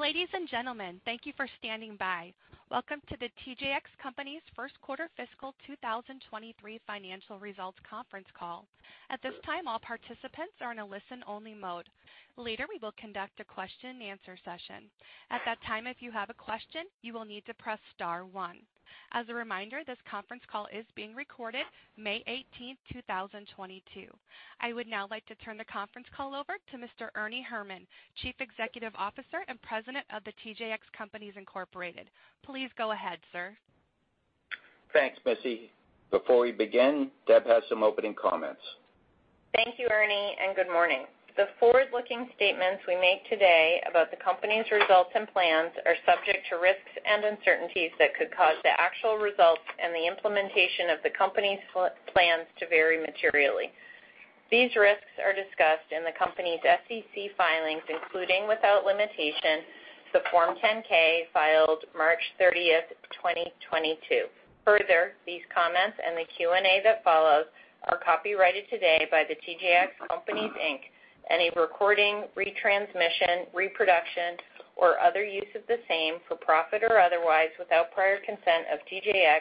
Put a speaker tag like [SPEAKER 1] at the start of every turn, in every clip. [SPEAKER 1] Ladies and gentlemen, thank you for standing by. Welcome to the TJX Companies' Q1 Fiscal 2023 Financial Results conference call. At this time, all participants are in a listen-only mode. Later, we will conduct a question-and-answer session. At that time, if you have a question, you will need to press star one. As a reminder, this conference call is being recorded, May 18, 2022. I would now like to turn the conference call over to Mr. Ernie Herrman, Chief Executive Officer and President of the TJX Companies, Incorporated. Please go ahead, sir.
[SPEAKER 2] Thanks, Missy. Before we begin, Deb has some opening comments.
[SPEAKER 3] Thank you, Ernie, and good morning. The forward-looking statements we make today about the company's results and plans are subject to risks and uncertainties that could cause the actual results and the implementation of the company's plans to vary materially. These risks are discussed in the company's SEC filings, including without limitation, the Form 10-K filed March 30th, 2022. Further, these comments and the Q&A that follows are copyrighted today by the TJX Companies, Inc. Any recording, retransmission, reproduction, or other use of the same, for profit or otherwise without prior consent of TJX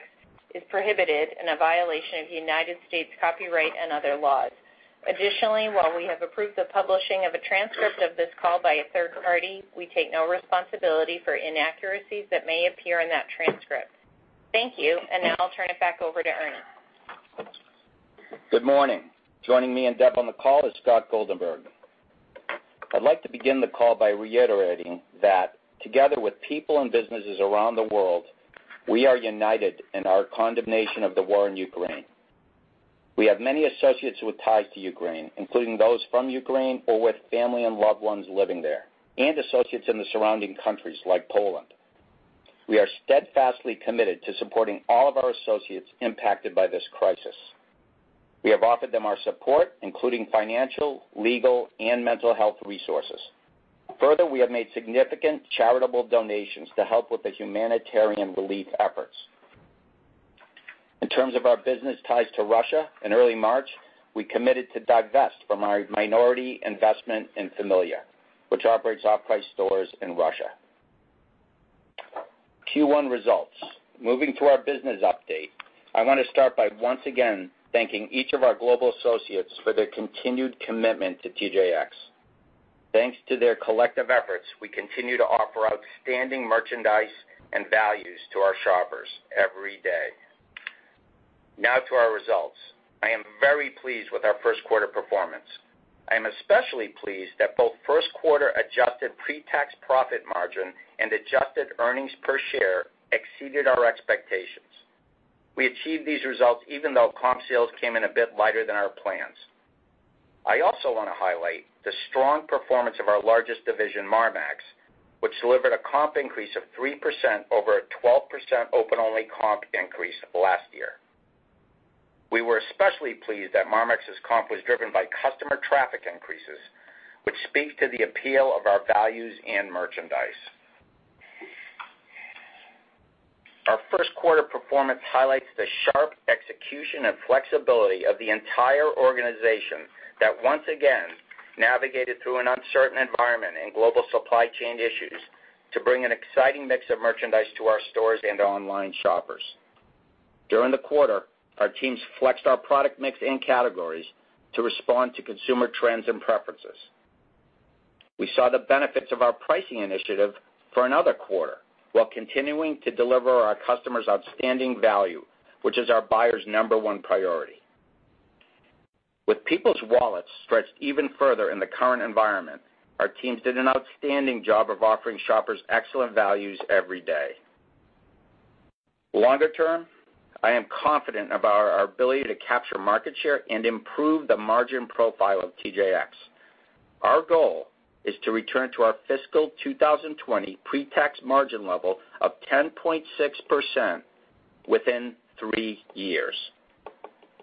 [SPEAKER 3] is prohibited and a violation of United States copyright and other laws. Additionally, while we have approved the publishing of a transcript of this call by a third party, we take no responsibility for inaccuracies that may appear in that transcript. Thank you. Now I'll turn it back over to Ernie.
[SPEAKER 2] Good morning. Joining me and Deb on the call is Scott Goldenberg. I'd like to begin the call by reiterating that together with people and businesses around the world, we are united in our condemnation of the war in Ukraine. We have many associates with ties to Ukraine, including those from Ukraine or with family and loved ones living there, and associates in the surrounding countries like Poland. We are steadfastly committed to supporting all of our associates impacted by this crisis. We have offered them our support, including financial, legal, and mental health resources. Further, we have made significant charitable donations to help with the humanitarian relief efforts. In terms of our business ties to Russia, in early March, we committed to divest from our minority investment in Familia, which operates off-price stores in Russia. Q1 results. Moving to our business update. I wanna start by once again thanking each of our global associates for their continued commitment to TJX. Thanks to their collective efforts, we continue to offer outstanding merchandise and values to our shoppers every day. Now to our results. I am very pleased with our Q1 performance. I am especially pleased that both Q1 adjusted pre-tax profit margin and adjusted earnings per share exceeded our expectations. We achieved these results even though comp sales came in a bit lighter than our plans. I also wanna highlight the strong performance of our largest division, Marmaxx, which delivered a comp increase of 3% over a 12% open-only comp increase of last year. We were especially pleased that Marmaxx's comp was driven by customer traffic increases, which speak to the appeal of our values and merchandise. Our Q1 performance highlights the sharp execution and flexibility of the entire organization that once again navigated through an uncertain environment and global supply chain issues to bring an exciting mix of merchandise to our stores and online shoppers. During the quarter, our teams flexed our product mix and categories to respond to consumer trends and preferences. We saw the benefits of our pricing initiative for another quarter while continuing to deliver our customers outstanding value, which is our buyers' number one priority. With people's wallets stretched even further in the current environment, our teams did an outstanding job of offering shoppers excellent values every day. Longer term, I am confident about our ability to capture market share and improve the margin profile of TJX. Our goal is to return to our fiscal 2020 pre-tax margin level of 10.6% within three years.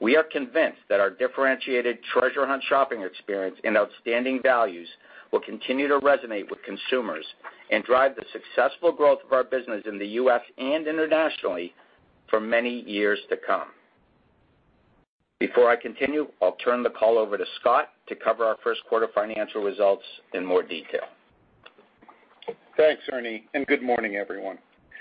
[SPEAKER 2] We are convinced that our differentiated treasure hunt shopping experience and outstanding values will continue to resonate with consumers and drive the successful growth of our business in the U.S. and internationally for many years to come. Before I continue, I'll turn the call over to Scott to cover our Q1 financial results in more detail.
[SPEAKER 4] Thanks, Ernie, and good morning, everyone.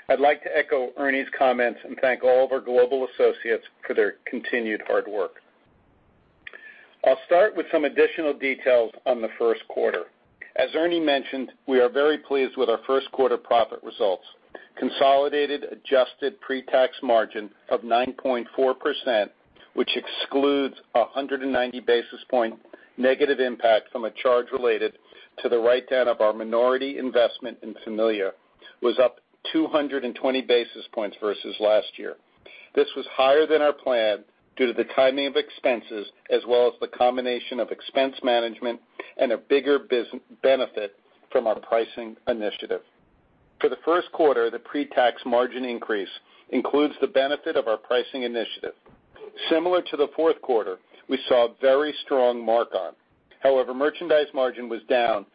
[SPEAKER 4] I'd like to echo Ernie's comments and thank all of our global associates for their continued hard work. I'll start with some additional details on the Q1. As Ernie mentioned, we are very pleased with our Q1 profit results. Consolidated adjusted pre-tax margin of 9.4%, which excludes a 190 basis point negative impact from a charge related to the write-down of our minority investment in Familia, was up 220 basis points versus last year. This was higher than our plan due to the timing of expenses as well as the combination of expense management and a bigger business benefit from our pricing initiative. For the Q1, the pre-tax margin increase includes the benefit of our pricing initiative. Similar to the Q4, we saw a very strong mark-on. However, merchandise margin was down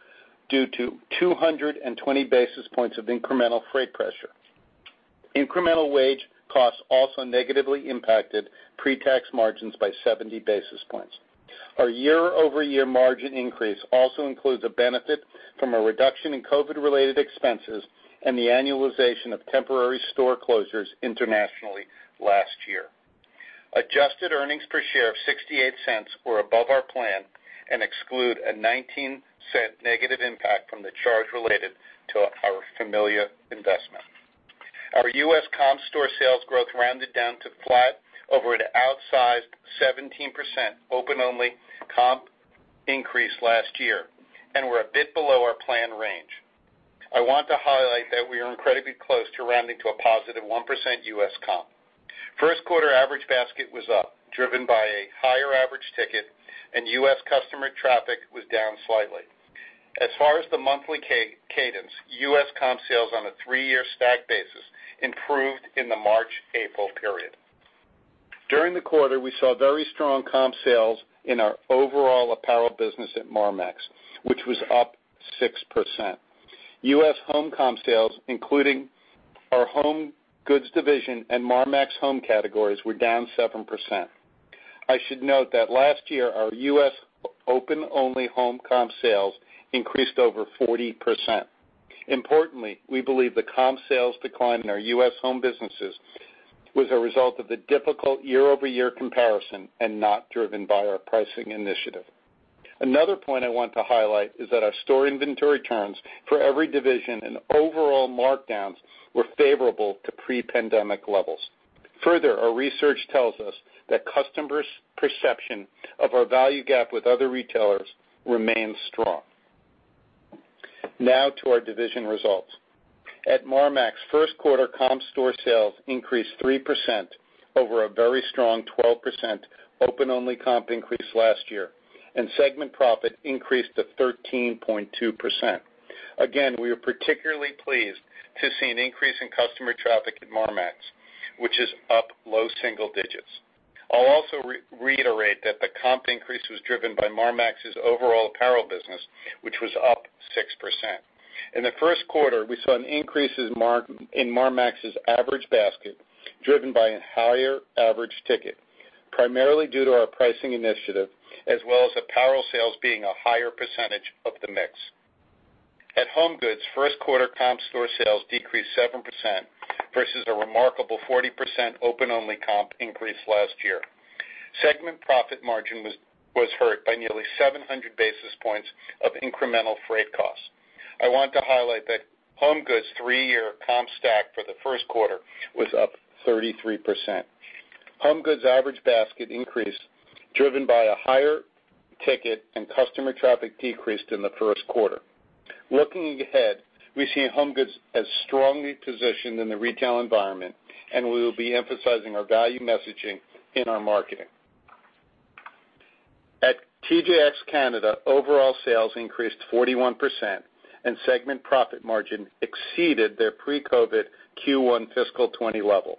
[SPEAKER 4] due to 220 basis points of incremental freight pressure. Incremental wage costs also negatively impacted pre-tax margins by 70 basis points. Our year-over-year margin increase also includes a benefit from a reduction in COVID-related expenses and the annualization of temporary store closures internationally last year. Adjusted earnings per share of $0.68 were above our plan and exclude a $0.19 negative impact from the charge related to our Familia investment. Our U.S. comp store sales growth rounded down to flat over an outsized 17% open-only comp increase last year and were a bit below our plan range. I want to highlight that we are incredibly close to rounding to a positive 1% U.S. comp. Q1 average basket was up, driven by a higher average ticket and U.S. customer traffic was down slightly. As far as the monthly cadence, U.S. comp sales on a three-year stack basis improved in the March-April period. During the quarter, we saw very strong comp sales in our overall apparel business at Marmaxx, which was up 6%. U.S. Home comp sales, including our HomeGoods division and Marmaxx home categories, were down 7%. I should note that last year, our U.S. open-only home comp sales increased over 40%. Importantly, we believe the comp sales decline in our U.S. home businesses was a result of the difficult year-over-year comparison and not driven by our pricing initiative. Another point I want to highlight is that our store inventory turns for every division and overall markdowns were favorable to pre-pandemic levels. Further, our research tells us that customers' perception of our value gap with other retailers remains strong. Now to our division results. At Marmaxx, Q1 comp store sales increased 3% over a very strong 12% open-only comp increase last year, and segment profit increased to 13.2%. Again, we are particularly pleased to see an increase in customer traffic at Marmaxx, which is up low single digits. I'll also reiterate that the comp increase was driven by Marmaxx's overall apparel business, which was up 6%. In the Q1, we saw an increase in Marmaxx's average basket driven by a higher average ticket, primarily due to our pricing initiative as well as apparel sales being a higher percentage of the mix. At HomeGoods, Q1 comp store sales decreased 7% versus a remarkable 40% open-only comp increase last year. Segment profit margin was hurt by nearly 700 basis points of incremental freight costs. I want to highlight that HomeGoods' three-year comp stack for the Q1 was up 33%. HomeGoods' average basket increased, driven by a higher ticket and customer traffic decreased in the Q1. Looking ahead, we see HomeGoods as strongly positioned in the retail environment, and we will be emphasizing our value messaging in our marketing. At TJX Canada, overall sales increased 41% and segment profit margin exceeded their pre-COVID Q1 fiscal 2020 level.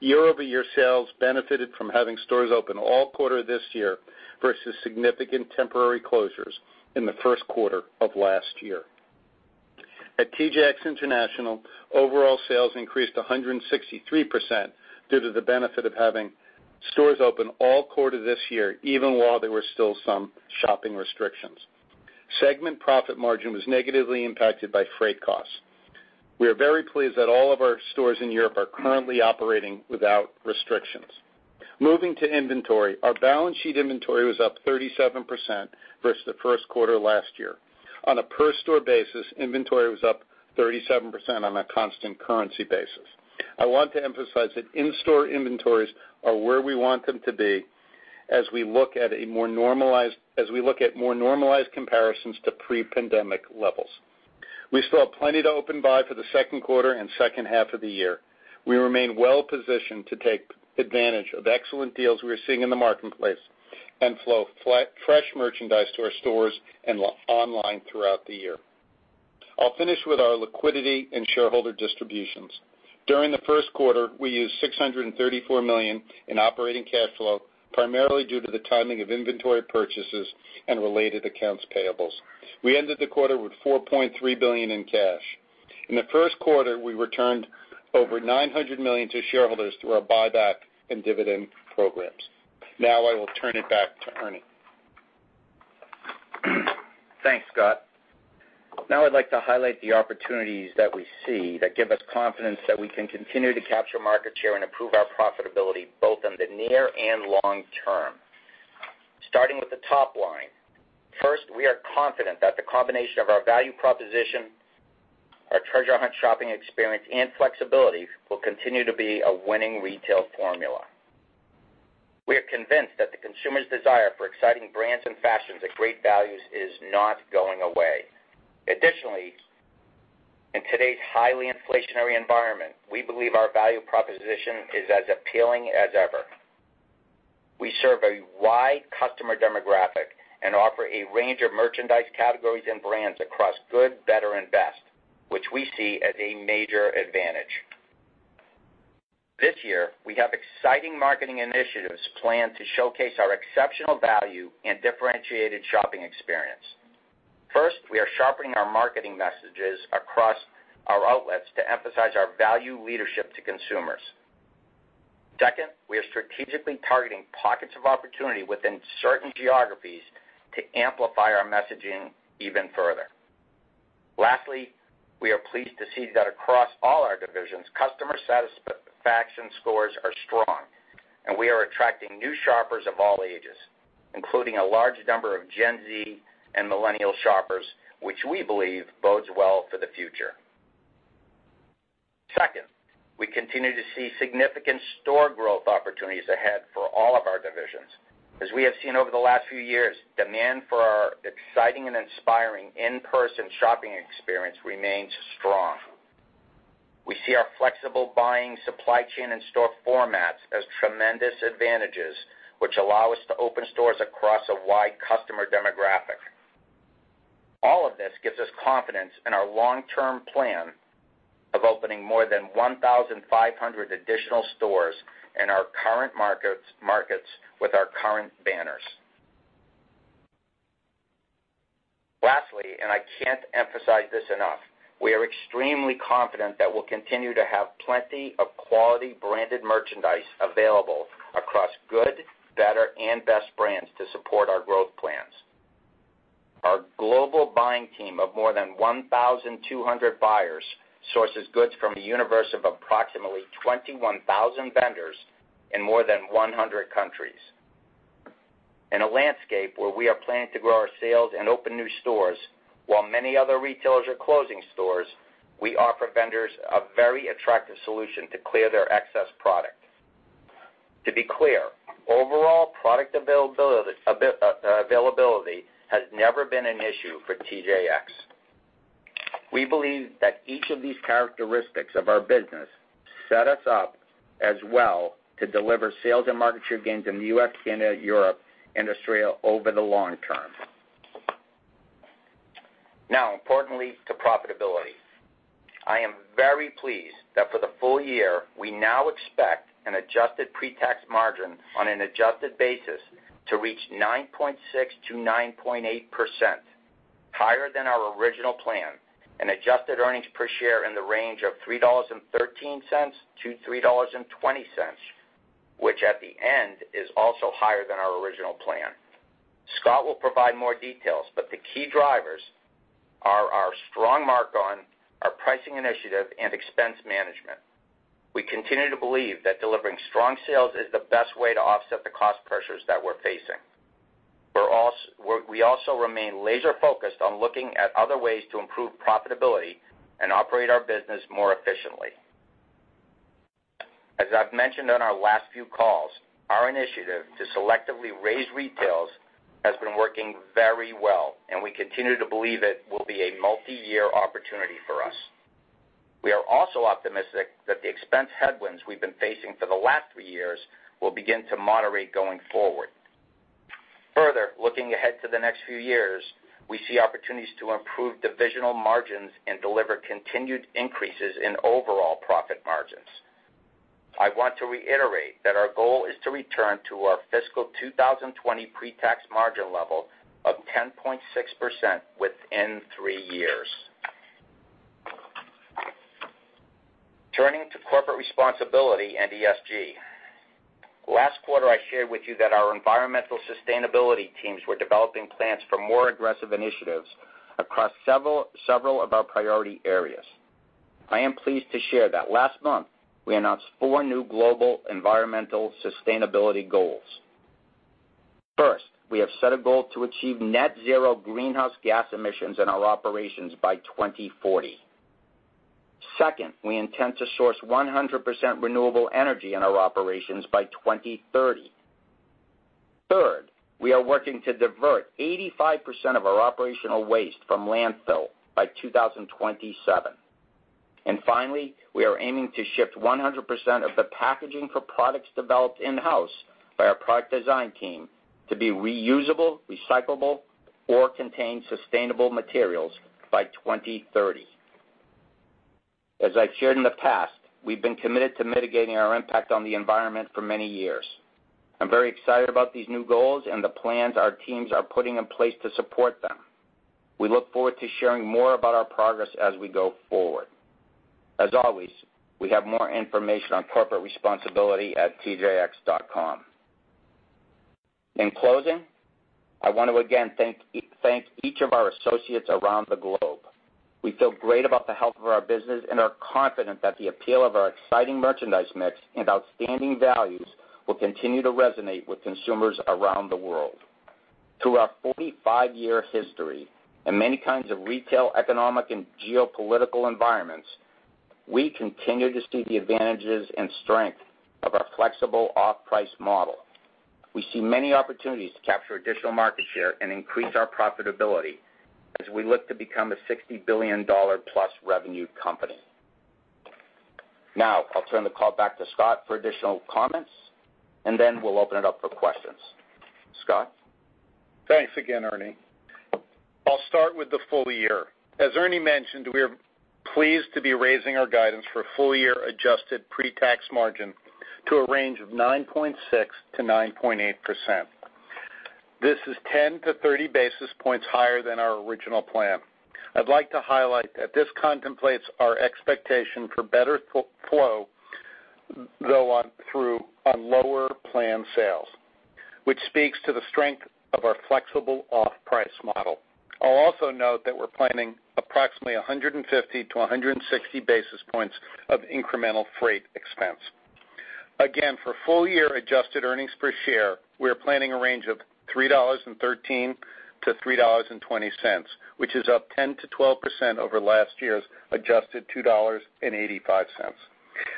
[SPEAKER 4] Year-over-year sales benefited from having stores open all quarter this year versus significant temporary closures in the Q1 of last year. At TJX International, overall sales increased 163% due to the benefit of having stores open all quarter this year, even while there were still some shopping restrictions. Segment profit margin was negatively impacted by freight costs. We are very pleased that all of our stores in Europe are currently operating without restrictions. Moving to inventory, our balance sheet inventory was up 37% versus the Q1 last year. On a per store basis, inventory was up 37% on a constant currency basis. I want to emphasize that in-store inventories are where we want them to be as we look at more normalized comparisons to pre-pandemic levels. We still have plenty to open by for the Q2 and H2 of the year. We remain well positioned to take advantage of excellent deals we are seeing in the marketplace and flow fresh merchandise to our stores and online throughout the year. I'll finish with our liquidity and shareholder distributions. During the Q1, we used $634 million in operating cash flow, primarily due to the timing of inventory purchases and related accounts payables. We ended the quarter with $4.3 billion in cash. In the Q1, we returned over $900 million to shareholders through our buyback and dividend programs. Now I will turn it back to Ernie.
[SPEAKER 2] Thanks, Scott. Now I'd like to highlight the opportunities that we see that give us confidence that we can continue to capture market share and improve our profitability both in the near and long term. Starting with the top line, first, we are confident that the combination of our value proposition, our Treasure Hunt shopping experience and flexibility will continue to be a winning retail formula. We are convinced that the consumer's desire for exciting brands and fashions at great values is not going away. Additionally, in today's highly inflationary environment, we believe our value proposition is as appealing as ever. We serve a wide customer demographic and offer a range of merchandise categories and brands across good, better, and best, which we see as a major advantage. This year, we have exciting marketing initiatives planned to showcase our exceptional value and differentiated shopping experience. First, we are sharpening our marketing messages across our outlets to emphasize our value leadership to consumers. Second, we are strategically targeting pockets of opportunity within certain geographies to amplify our messaging even further. Lastly, we are pleased to see that across all our divisions, customer satisfaction scores are strong, and we are attracting new shoppers of all ages, including a large number of Gen Z and millennial shoppers, which we believe bodes well for the future. Second, we continue to see significant store growth opportunities ahead for all of our divisions. As we have seen over the last few years, demand for our exciting and inspiring in-person shopping experience remains strong. We see our flexible buying supply chain and store formats as tremendous advantages, which allow us to open stores across a wide customer demographic. All of this gives us confidence in our long-term plan of opening more than 1,500 additional stores in our current markets with our current banners. Lastly, and I can't emphasize this enough, we are extremely confident that we'll continue to have plenty of quality branded merchandise available across good, better, and best brands to support our growth plans. Our global buying team of more than 1,200 buyers sources goods from a universe of approximately 21,000 vendors in more than 100 countries. In a landscape where we are planning to grow our sales and open new stores while many other retailers are closing stores, we offer vendors a very attractive solution to clear their excess product. To be clear, overall product availability has never been an issue for TJX. We believe that each of these characteristics of our business set us up as well to deliver sales and market share gains in the U.S., Canada, Europe, and Australia over the long term. Now, importantly, to profitability. I am very pleased that for the full year, we now expect an adjusted pretax margin on an adjusted basis to reach 9.6%-9.8%, higher than our original plan, and adjusted earnings per share in the range of $3.13-$3.20, which at the end is also higher than our original plan. Scott will provide more details, but the key drivers are our strong mark on our pricing initiative and expense management. We continue to believe that delivering strong sales is the best way to offset the cost pressures that we're facing. We also remain laser-focused on looking at other ways to improve profitability and operate our business more efficiently. As I've mentioned on our last few calls, our initiative to selectively raise retails has been working very well, and we continue to believe it will be a multiyear opportunity for us. We are also optimistic that the expense headwinds we've been facing for the last three years will begin to moderate going forward. Further, looking ahead to the next few years, we see opportunities to improve divisional margins and deliver continued increases in overall profit margins. I want to reiterate that our goal is to return to our fiscal 2020 pretax margin level of 10.6% within three years. Turning to corporate responsibility and ESG. Last quarter, I shared with you that our environmental sustainability teams were developing plans for more aggressive initiatives across several of our priority areas. I am pleased to share that last month we announced four new global environmental sustainability goals. First, we have set a goal to achieve net zero greenhouse gas emissions in our operations by 2040. Second, we intend to source 100% renewable energy in our operations by 2030. Third, we are working to divert 85% of our operational waste from landfill by 2027. Finally, we are aiming to shift 100% of the packaging for products developed in-house by our product design team to be reusable, recyclable, or contain sustainable materials by 2030. As I've shared in the past, we've been committed to mitigating our impact on the environment for many years. I'm very excited about these new goals and the plans our teams are putting in place to support them. We look forward to sharing more about our progress as we go forward. As always, we have more information on corporate responsibility at tjx.com. In closing, I want to again thank each of our associates around the globe. We feel great about the health of our business and are confident that the appeal of our exciting merchandise mix and outstanding values will continue to resonate with consumers around the world. Through our 45-year history and many kinds of retail, economic, and geopolitical environments, we continue to see the advantages and strength of our flexible off-price model. We see many opportunities to capture additional market share and increase our profitability as we look to become a $60 billion+ revenue company. Now, I'll turn the call back to Scott for additional comments, and then we'll open it up for questions. Scott?
[SPEAKER 4] Thanks again, Ernie. I'll start with the full year. As Ernie mentioned, we are pleased to be raising our guidance for full year adjusted pretax margin to a range of 9.6%-9.8%. This is 10-30 basis points higher than our original plan. I'd like to highlight that this contemplates our expectation for better flow-through on lower planned sales, which speaks to the strength of our flexible off-price model. I'll also note that we're planning approximately 150-160 basis points of incremental freight expense. Again, for full year adjusted earnings per share, we are planning a range of $3.13-$3.20, which is up 10%-12% over last year's adjusted $2.85.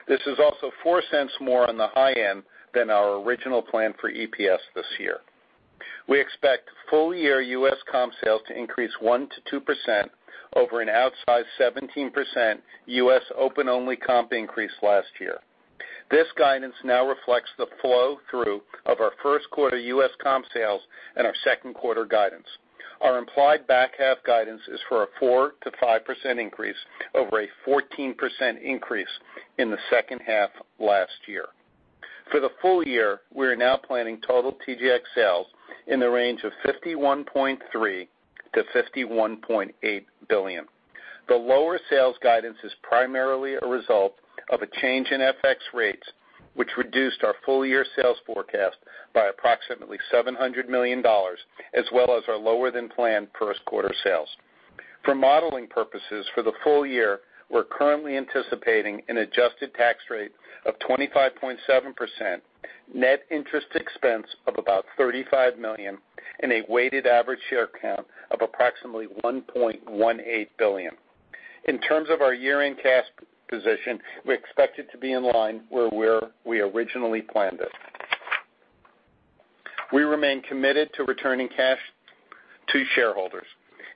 [SPEAKER 4] This is also $0.04 more on the high end than our original plan for EPS this year. We expect full year U.S. comp sales to increase 1%-2% over an outsized 17% U.S. open-only comp increase last year. This guidance now reflects the flow through of our Q1 U.S. comp sales and our Q2 guidance. Our implied back half guidance is for a 4%-5% increase over a 14% increase in the H2 last year. For the full year, we are now planning total TJX sales in the range of $51.3 billion-$51.8 billion. The lower sales guidance is primarily a result of a change in FX rates, which reduced our full year sales forecast by approximately $700 million, as well as our lower than planned Q1 sales. For modeling purposes, for the full year, we're currently anticipating an adjusted tax rate of 25.7%, net interest expense of about $35 million, and a weighted average share count of approximately 1.18 billion. In terms of our year-end cash position, we expect it to be in line where we originally planned it. We remain committed to returning cash to shareholders.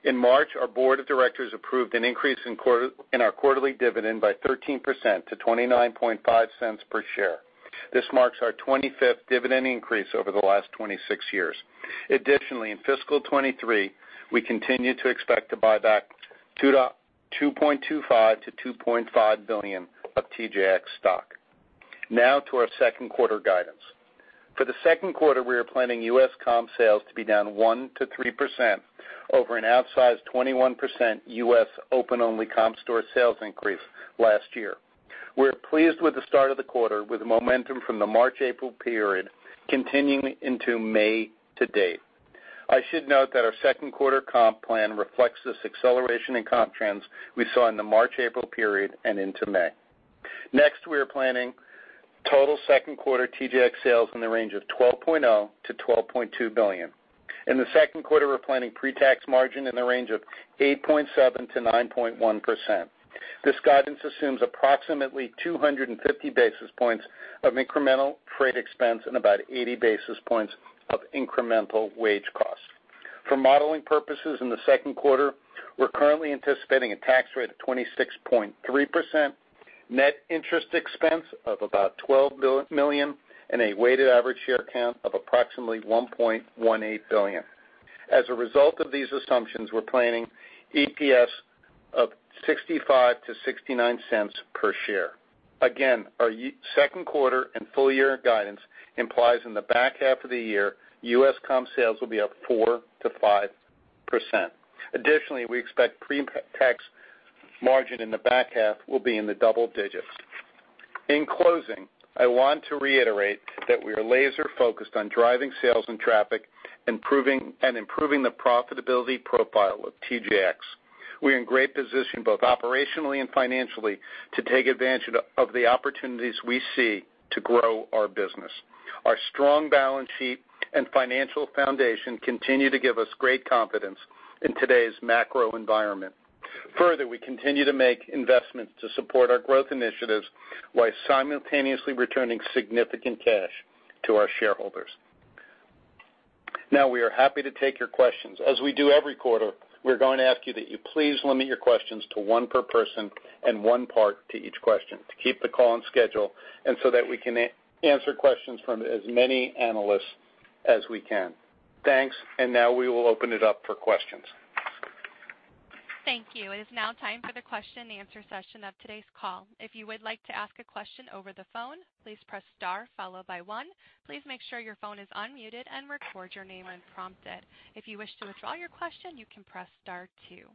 [SPEAKER 4] In March, our board of directors approved an increase in our quarterly dividend by 13% to $0.295 per share. This marks our 25th dividend increase over the last 26 years. Additionally, in fiscal 2023, we continue to expect to buy back $2.25 billion-$2.5 billion of TJX stock. Now to our Q2 guidance. For theQ2, we are planning U.S. comp sales to be down 1%-3% over an outsized 21% U.S. open-only comp store sales increase last year. We're pleased with the start of the quarter with momentum from the March, April period continuing into May to date. I should note that our Q2 comp plan reflects this acceleration in comp trends we saw in the March, April period and into May. Next, we are planning total Q2 TJX sales in the range of $12.0 billion-$12.2 billion. In the Q2, we're planning pre-tax margin in the range of 8.7%-9.1%. This guidance assumes approximately 250 basis points of incremental freight expense and about 80 basis points of incremental wage costs. For modeling purposes, in the Q2, we're currently anticipating a tax rate of 26.3%, net interest expense of about $12 million, and a weighted average share count of approximately 1.18 billion. As a result of these assumptions, we're planning EPS of $0.65-$0.69 per share. Again, our Q2 and full year guidance implies in the back half of the year, U.S. comp sales will be up 4%-5%. Additionally, we expect pre-tax margin in the back half will be in the double digits. In closing, I want to reiterate that we are laser focused on driving sales and traffic, improving the profitability profile of TJX. We are in great position, both operationally and financially, to take advantage of the opportunities we see to grow our business. Our strong balance sheet and financial foundation continue to give us great confidence in today's macro environment. Further, we continue to make investments to support our growth initiatives while simultaneously returning significant cash to our shareholders. Now, we are happy to take your questions. As we do every quarter, we're going to ask you that you please limit your questions to one per person and one part to each question to keep the call on schedule and so that we can answer questions from as many analysts as we can. Thanks. Now we will open it up for questions.
[SPEAKER 1] Thank you. It is now time for the question and answer session of today's call. If you would like to ask a question over the phone, please press star followed by one. Please make sure your phone is unmuted and record your name when prompted. If you wish to withdraw your question, you can press star two.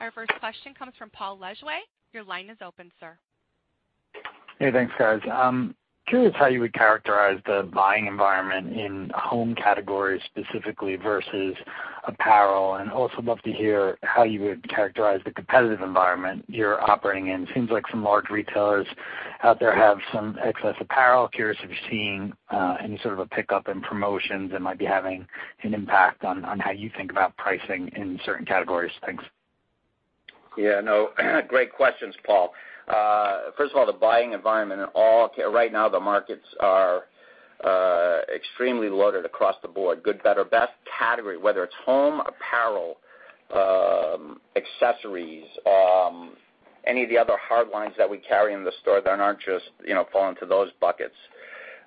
[SPEAKER 1] Our first question comes from Paul Lejuez. Your line is open, sir.
[SPEAKER 5] Hey, thanks, guys. I'm curious how you would characterize the buying environment in home categories specifically versus apparel. Also love to hear how you would characterize the competitive environment you're operating in. Seems like some large retailers out there have some excess apparel. Curious if you're seeing any sort of a pickup in promotions that might be having an impact on how you think about pricing in certain categories. Thanks.
[SPEAKER 2] Yeah, no, great questions, Paul. First of all, the buying environment right now the markets are extremely loaded across the board. Good, better, best category, whether it's home, apparel, accessories, any of the other hard lines that we carry in the store that aren't just, you know, fall into those buckets.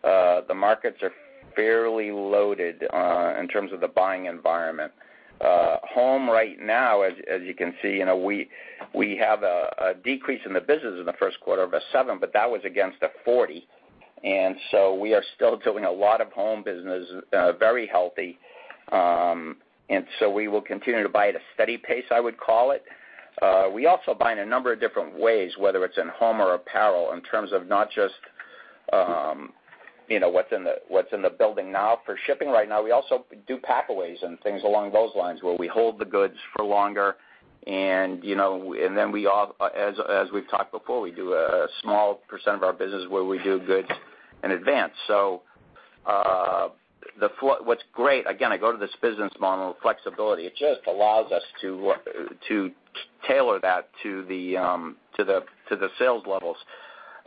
[SPEAKER 2] The markets are fairly loaded in terms of the buying environment. Home right now, as you can see, you know, we have a 7% decrease in the business in the Q1, but that was against a 40%. We are still doing a lot of home business, very healthy. We will continue to buy at a steady pace, I would call it. We also buy in a number of different ways, whether it's in home or apparel, in terms of not just, you know, what's in the building now for shipping right now. We also do packaways and things along those lines where we hold the goods for longer and, you know, and then as we've talked before, we do a small percent of our business where we do goods in advance. What's great, again, I go to this business model flexibility. It just allows us to tailor that to the sales levels.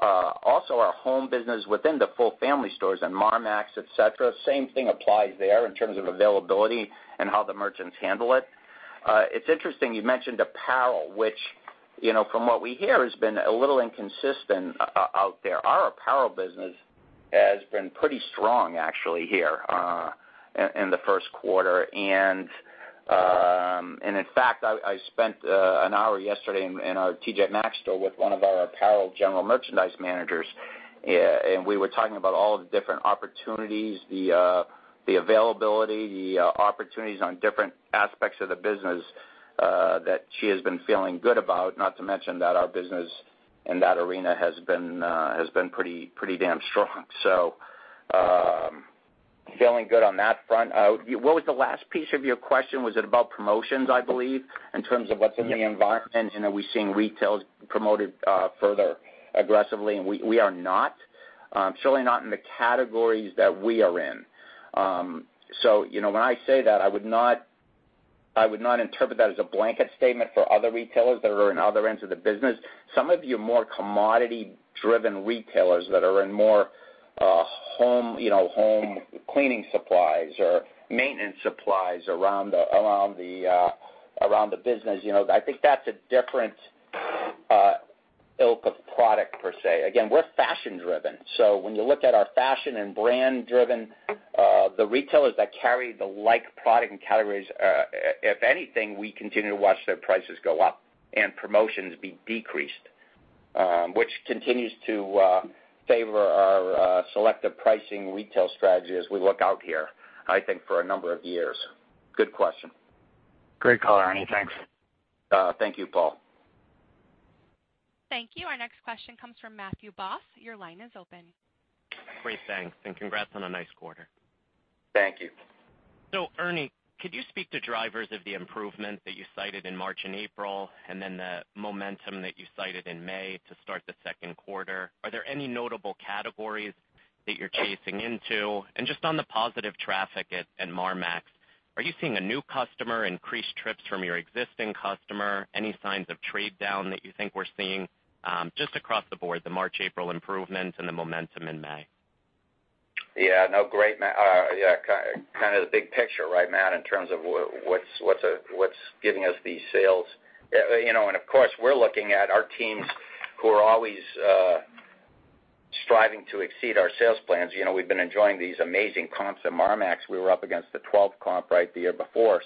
[SPEAKER 2] Also our home business within the full family stores and Marmaxx, etc., same thing applies there in terms of availability and how the merchants handle it. It's interesting you mentioned apparel, which, you know, from what we hear has been a little inconsistent out there. Our apparel business has been pretty strong, actually, here in the Q1. In fact, I spent an hour yesterday in our TJ Maxx store with one of our apparel general merchandise managers. We were talking about all the different opportunities, the availability, the opportunities on different aspects of the business that she has been feeling good about, not to mention that our business in that arena has been pretty damn strong. Feeling good on that front. What was the last piece of your question? Was it about promotions, I believe, in terms of what's in the environment and are we seeing retail promoted further aggressively? We are not, certainly not in the categories that we are in. You know, when I say that, I would not interpret that as a blanket statement for other retailers that are in other ends of the business. Some of your more commodity-driven retailers that are in more home, you know, home cleaning supplies or maintenance supplies around the business. You know, I think that's a different ilk of product per se. Again, we're fashion-driven. So when you look at our fashion and brand-driven, the retailers that carry the like product and categories, if anything, we continue to watch their prices go up and promotions be decreased, which continues to favor our selective pricing retail strategy as we look out here, I think for a number of years. Good question.
[SPEAKER 6] Great call, Ernie. Thanks.
[SPEAKER 2] Thank you, Paul.
[SPEAKER 1] Thank you. Our next question comes from Matthew Boss. Your line is open.
[SPEAKER 7] Great. Thanks, and congrats on a nice quarter.
[SPEAKER 2] Thank you.
[SPEAKER 7] Ernie, could you speak to drivers of the improvement that you cited in March and April, and then the momentum that you cited in May to start the Q2? Are there any notable categories that you're chasing into? And just on the positive traffic at Marmaxx, are you seeing a new customer, increased trips from your existing customer? Any signs of trade down that you think we're seeing, just across the board, the March, April improvements and the momentum in May?
[SPEAKER 2] Yeah. No, great, Matt. Yeah, kind of the big picture, right, Matt, in terms of what's giving us these sales. You know, of course, we're looking at our teams who are always striving to exceed our sales plans. You know, we've been enjoying these amazing comps at Marmaxx. We were up against the 12% comp, right, the year before.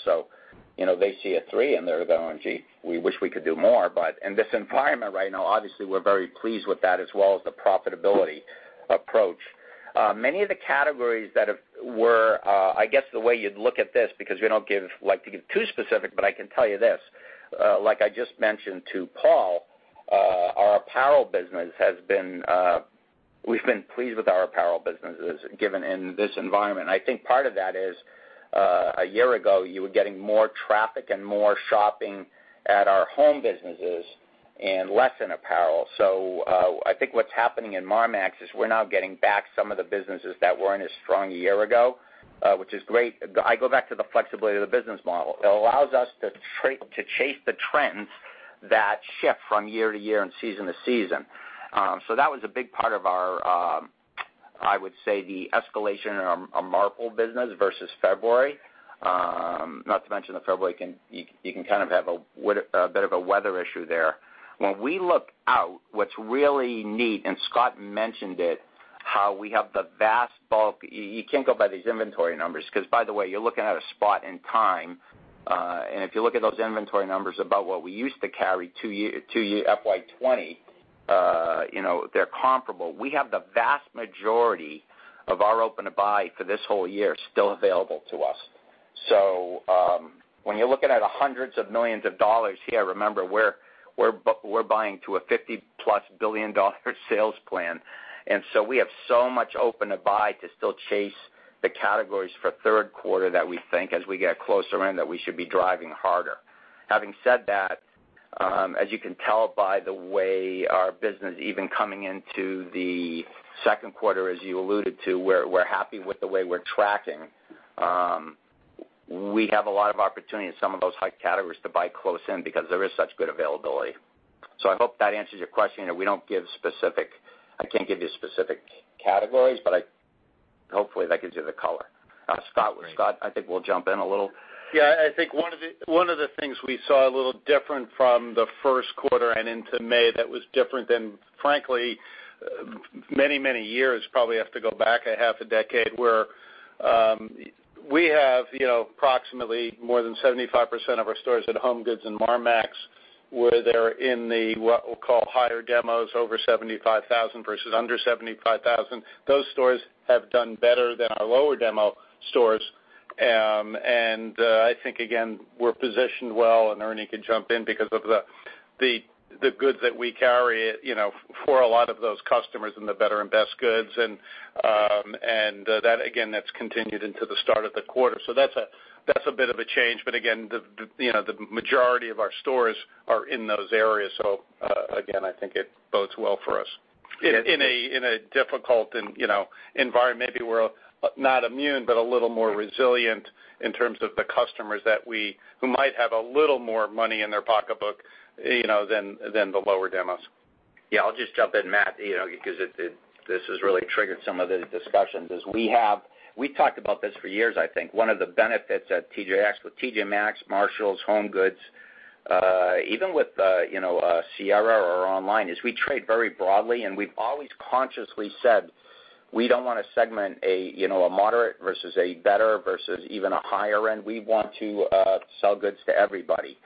[SPEAKER 2] You know, they see a 3% and they're going, "Gee, we wish we could do more." In this environment right now, obviously, we're very pleased with that as well as the profitability approach. Many of the categories that were, I guess, the way you'd look at this because we don't like to get too specific, but I can tell you this, like I just mentioned to Paul, we've been pleased with our apparel businesses given this environment. I think part of that is, a year ago, you were getting more traffic and more shopping at our home businesses and less in apparel. I think what's happening in Marmaxx is we're now getting back some of the businesses that weren't as strong a year ago, which is great. I go back to the flexibility of the business model. It allows us to chase the trends that shift from year to year and season to season. That was a big part of our, I would say, the escalation in our Marmaxx business versus February. Not to mention that February can have a bit of a weather issue there. When we look out, what's really neat, Scott mentioned it, how we have the vast bulk. You can't go by these inventory numbers because, by the way, you're looking at a spot in time, and if you look at those inventory numbers about what we used to carry two-year FY 2020, they're comparable. We have the vast majority of our Open to Buy for this whole year still available to us. When you're looking at $hundreds of millions here, remember, we're buying to a $50+ billion sales plan. We have so much Open to Buy to still chase the categories for Q3 that we think as we get closer in, that we should be driving harder. Having said that, as you can tell by the way our business even coming into the Q2, as you alluded to, we're happy with the way we're tracking. We have a lot of opportunity in some of those hot categories to buy close in because there is such good availability. I hope that answers your question. You know, I can't give you specific categories, but hopefully, that gives you the color. Scott, I think we'll jump in a little.
[SPEAKER 4] I think one of the things we saw a little different from the Q1 and into May that was different than frankly many years, probably have to go back half a decade, where we have, you know, approximately more than 75% of our stores at HomeGoods and Marmaxx, where they're in the what we'll call higher demos over 75,000 versus under 75,000. Those stores have done better than our lower demo stores. I think, again, we're positioned well, and Ernie can jump in because of the goods that we carry, you know, for a lot of those customers in the better and best goods. That again, that's continued into the start of the quarter. That's a bit of a change. Again, you know, the majority of our stores are in those areas. Again, I think it bodes well for us. In a difficult and, you know, environment, maybe we're not immune, but a little more resilient in terms of the customers who might have a little more money in their pocketbook, you know, than the lower demos.
[SPEAKER 2] I'll just jump in, Matt, you know, because this has really triggered some of the discussions. We talked about this for years, I think. One of the benefits at TJX with TJ Maxx, Marshalls, HomeGoods, even with, you know, Sierra or online, is we trade very broadly, and we've always consciously said, we don't wanna segment a, you know, a moderate versus a better, versus even a higher end. We want to sell goods to everybody.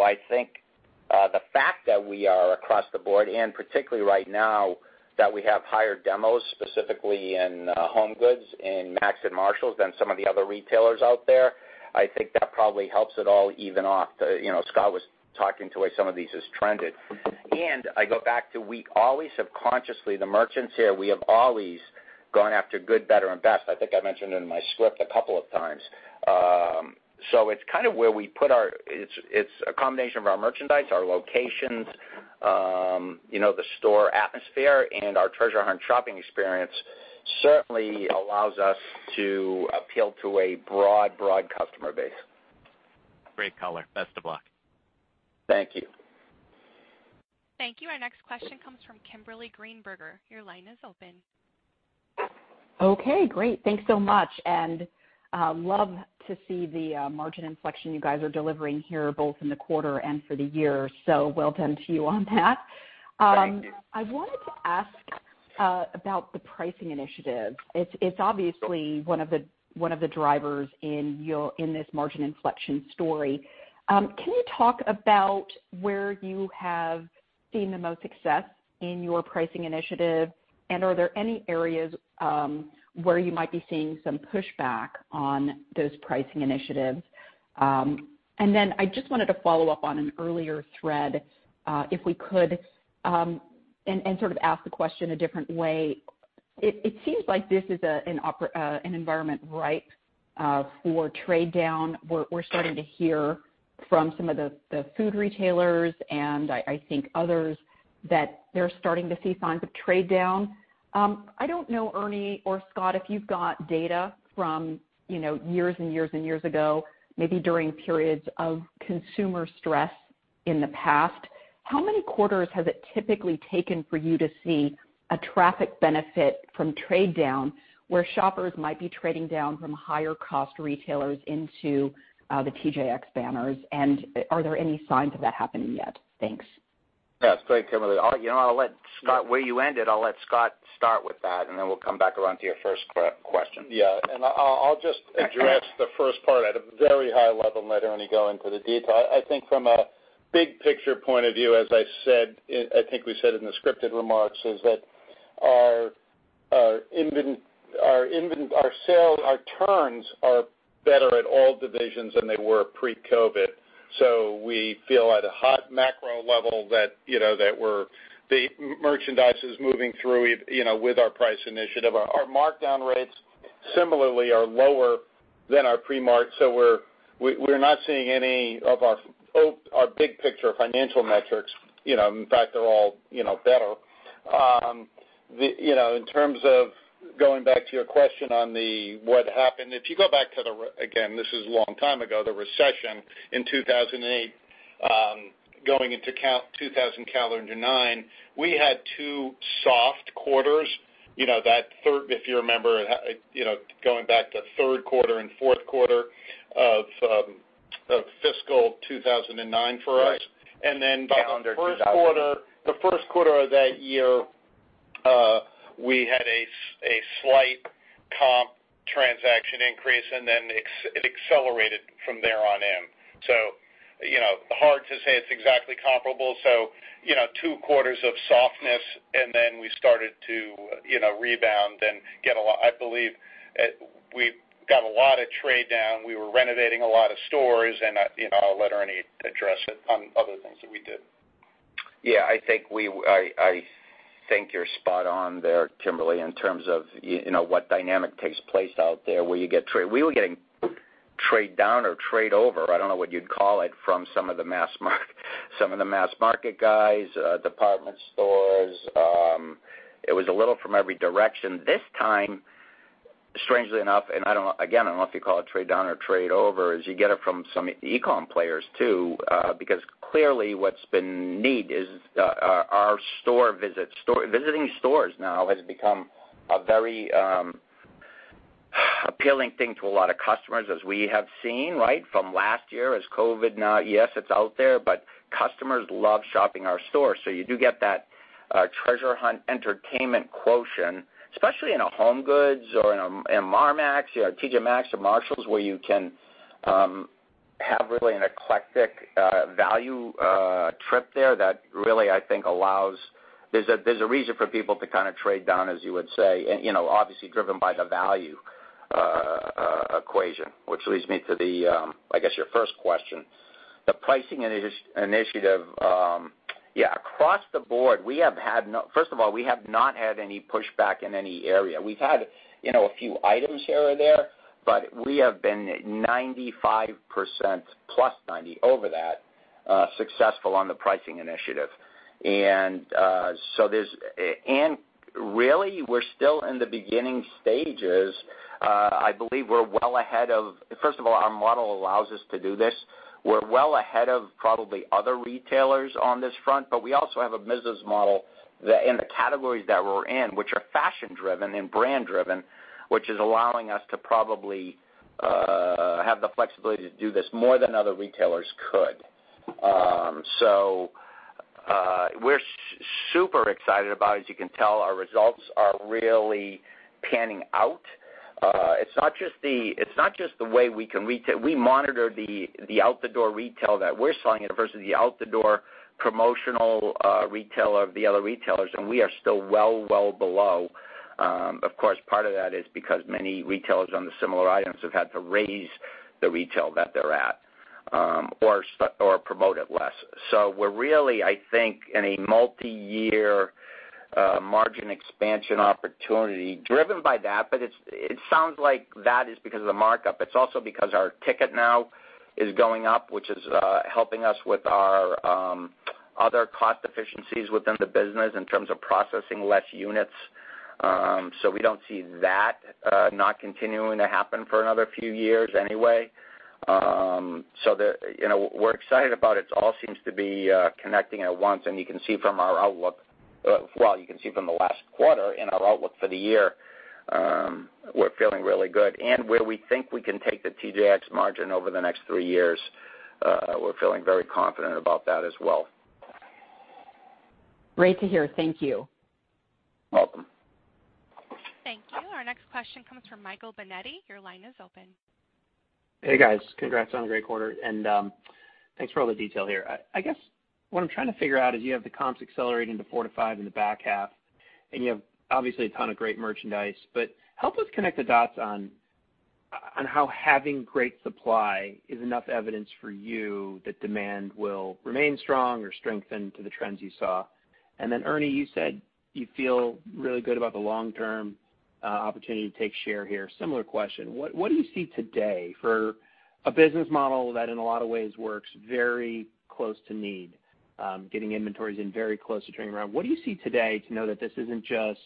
[SPEAKER 2] I think the fact that we are across the board and particularly right now that we have higher demos, specifically in HomeGoods, in Maxx and Marshalls than some of the other retailers out there, I think that probably helps it all even out. You know, Scott was talking about the way some of these have trended. I go back to we always have consciously, the merchants here, we have always gone after good, better and best. I think I mentioned it in my script a couple of times. It's a combination of our merchandise, our locations, you know, the store atmosphere, and our treasure hunt shopping experience certainly allows us to appeal to a broad customer base. Great color. Best of luck.
[SPEAKER 7] Thank you.
[SPEAKER 1] Thank you. Our next question comes from Kimberly Greenberger. Your line is open.
[SPEAKER 8] Okay, great. Thanks so much, and, love to see the, margin inflection you guys are delivering here, both in the quarter and for the year. Well done to you on that.
[SPEAKER 2] Thank you.
[SPEAKER 8] I wanted to ask about the pricing initiative. It's obviously one of the drivers in this margin inflection story. Can you talk about where you have seen the most success in your pricing initiative, and are there any areas where you might be seeing some pushback on those pricing initiatives? I just wanted to follow up on an earlier thread, if we could, and sort of ask the question a different way. It seems like this is an environment ripe for trade down. We're starting to hear from some of the food retailers and I think others that they're starting to see signs of trade down. I don't know, Ernie or Scott, if you've got data from, you know, years and years and years ago, maybe during periods of consumer stress in the past. How many quarters has it typically taken for you to see a traffic benefit from trade down, where shoppers might be trading down from higher cost retailers into, the TJX banners? Are there any signs of that happening yet? Thanks.
[SPEAKER 2] Yeah. It's great, Kimberly. You know, I'll let Scott start with that, and then we'll come back around to your first question.
[SPEAKER 4] Yeah. I'll just address the first part at a very high level and let Ernie go into the detail. I think from a big picture point of view, as I said, I think we said in the scripted remarks, is that our turns are better at all divisions than they were pre-COVID. We feel at a high macro level that, you know, that the merchandise is moving through, you know, with our price initiative. Our markdown rates similarly are lower than our pre-COVID. We're not seeing any of our big picture financial metrics, you know, in fact, they're all, you know, better. You know, in terms of going back to your question on what happened, if you go back to the recession again, this is a long time ago, the recession in 2008, going into calendar 2009, we had two soft quarters. You know, that Q3, if you remember. You know, going back to Q3 and Q4 of fiscal 2009 for us.
[SPEAKER 2] Right. Calendar 2000.
[SPEAKER 4] The Q1 of that year, we had a slight comp transaction increase, and then it accelerated from there on in. You know, hard to say it's exactly comparable. You know, two quarters of softness and then we started to, you know, rebound and get a lot. I believe we got a lot of trade down. We were renovating a lot of stores, and, you know, I'll let Ernie address it on other things that we did.
[SPEAKER 2] Yeah. I think you're spot on there, Kimberly, in terms of, you know, what dynamic takes place out there, where you get trade. We were getting trade down or trade over, I don't know what you'd call it, from some of the mass market guys, department stores. It was a little from every direction. This time, strangely enough, I don't know, again, I don't know if you call it trade down or trade over, is you get it from some e-com players too, because clearly, what's been neat is, our store visits. Visiting stores now has become a very appealing thing to a lot of customers as we have seen, right, from last year as COVID now, yes, it's out there, but customers love shopping our stores. You do get that treasure hunt entertainment quotient, especially in a HomeGoods or in a Marmaxx, you know, TJ Maxx or Marshalls, where you can have really an eclectic value trip there that really, I think, allows. There's a reason for people to kind of trade down, as you would say, and you know, obviously driven by the value equation, which leads me to the, I guess, your first question. The pricing initiative, yeah, across the board. First of all, we have not had any pushback in any area. We've had, you know, a few items here or there, but we have been 95%+ 90% over that successful on the pricing initiative. Really, we're still in the beginning stages. I believe we're well ahead of... First of all, our model allows us to do this. We're well ahead of probably other retailers on this front, but we also have a business model that in the categories that we're in, which are fashion-driven and brand-driven, which is allowing us to probably have the flexibility to do this more than other retailers could. We're super excited about it. As you can tell, our results are really panning out. It's not just the way we monitor the out-the-door retail that we're selling versus the out-the-door promotional retail of the other retailers, and we are still well below. Of course, part of that is because many retailers on the similar items have had to raise the retail that they're at, or promote it less. We're really, I think, in a multi-year margin expansion opportunity driven by that. It sounds like that is because of the markon. It's also because our ticket now is going up, which is helping us with our other cost efficiencies within the business in terms of processing less units. We don't see that not continuing to happen for another few years anyway. You know, we're excited about it all seems to be connecting at once, and you can see from the last quarter in our outlook for the year, we're feeling really good. Where we think we can take the TJX margin over the next three years, we're feeling very confident about that as well.
[SPEAKER 8] Great to hear. Thank you. Welcome.
[SPEAKER 1] Thank you. Our next question comes from Michael Binetti. Your line is open.
[SPEAKER 9] Hey, guys. Congrats on a great quarter, and thanks for all the detail here. I guess what I'm trying to figure out is you have the comps accelerating to 4%-5% in the back half, and you have obviously a ton of great merchandise, but help us connect the dots on how having great supply is enough evidence for you that demand will remain strong or strengthen to the trends you saw. Ernie, you said you feel really good about the long-term opportunity to take share here. Similar question. What do you see today for a business model that in a lot of ways works very close to need, getting inventories in very close to turning around. What do you see today to know that this isn't just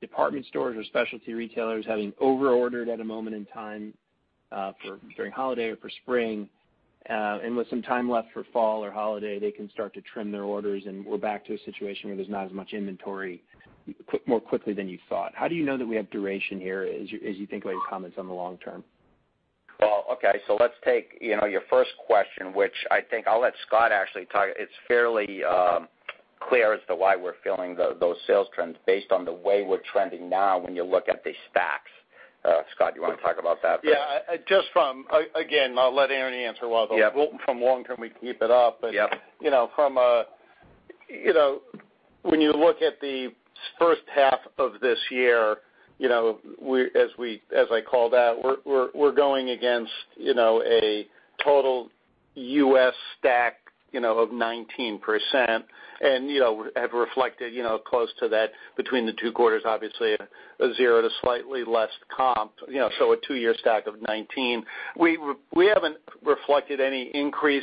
[SPEAKER 9] department stores or specialty retailers having over-ordered at a moment in time, for during holiday or for spring, and with some time left for fall or holiday, they can start to trim their orders, and we're back to a situation where there's not as much inventory more quickly than you thought. How do you know that we have duration here as you think about your comments on the long term?
[SPEAKER 2] Well, okay. Let's take, you know, your first question, which I think I'll let Scott actually talk. It's fairly clear as to why we're feeling those sales trends based on the way we're trending now when you look at the stats. Scott, you wanna talk about that?
[SPEAKER 4] Yeah. Again, I'll let Ernie answer why the
[SPEAKER 9] Yeah.
[SPEAKER 4] From long term, we keep it up.
[SPEAKER 9] Yeah.
[SPEAKER 4] You know, from a, you know, when you look at the H1 of this year, you know, as I call that, we're going against, you know, a total U.S. stack, you know, of 19% and, you know, have reflected, you know, close to that between the two quarters, obviously a zero to slightly less comp, you know, so a two-year stack of 19. We haven't reflected any increase,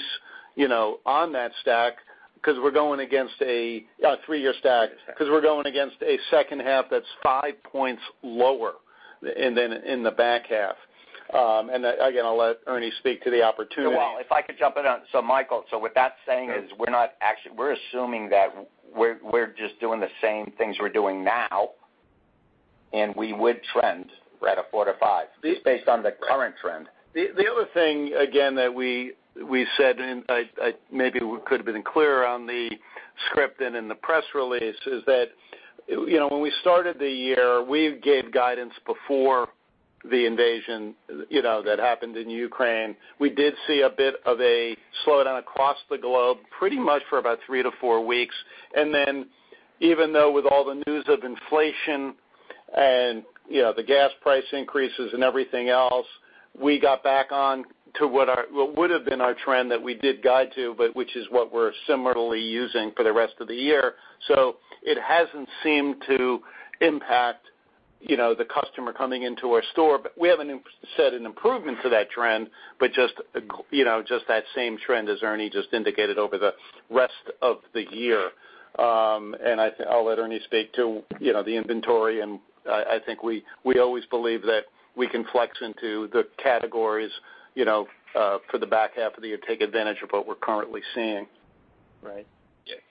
[SPEAKER 4] you know, on that stack because we're going against a three-year stack because we're going against a H2 that's five points lower than in the back half. And again, I'll let Ernie speak to the opportunity.
[SPEAKER 2] Well, if I could jump in on... Michael, so what that's saying is we're assuming that we're just doing the same things we're doing now, and we would trend right at 4%-5% based on the current trend.
[SPEAKER 4] The other thing again that we said, and I maybe could have been clearer on the script and in the press release, is that, you know, when we started the year, we gave guidance before the invasion, you know, that happened in Ukraine. We did see a bit of a slowdown across the globe pretty much for about three to four weeks. Even though with all the news of inflation and, you know, the gas price increases and everything else, we got back on to what would have been our trend that we did guide to, but which is what we're similarly using for the rest of the year. It hasn't seemed to impact, you know, the customer coming into our store.
[SPEAKER 9] We haven't said an improvement to that trend, but just, you know, just that same trend as Ernie just indicated over the rest of the year. I'll let Ernie speak to, you know, the inventory, and I think we always believe that we can flex into the categories, you know, for the back half of the year, take advantage of what we're currently seeing.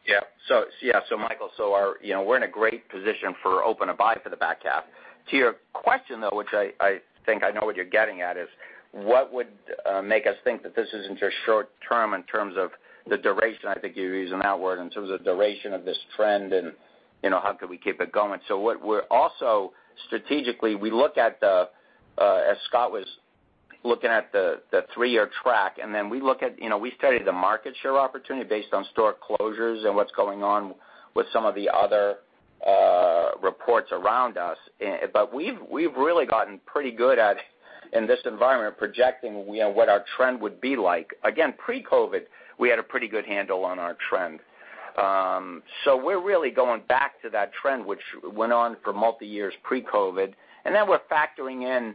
[SPEAKER 2] Yeah. Michael, our—you know, we're in a great position for Open to Buy for the back half. To your question, though, which I think I know what you're getting at, is what would make us think that this isn't just short term in terms of the duration, I think you're using that word, in terms of duration of this trend and, you know, how could we keep it going? What we're also strategically we look at the, as Scott was looking at the three-year track, and then we look at, you know, we study the market share opportunity based on store closures and what's going on with some of the other reports around us. We've really gotten pretty good at, in this environment, projecting, you know, what our trend would be like. Again, pre-COVID, we had a pretty good handle on our trend. We're really going back to that trend, which went on for multi years pre-COVID. We're factoring in,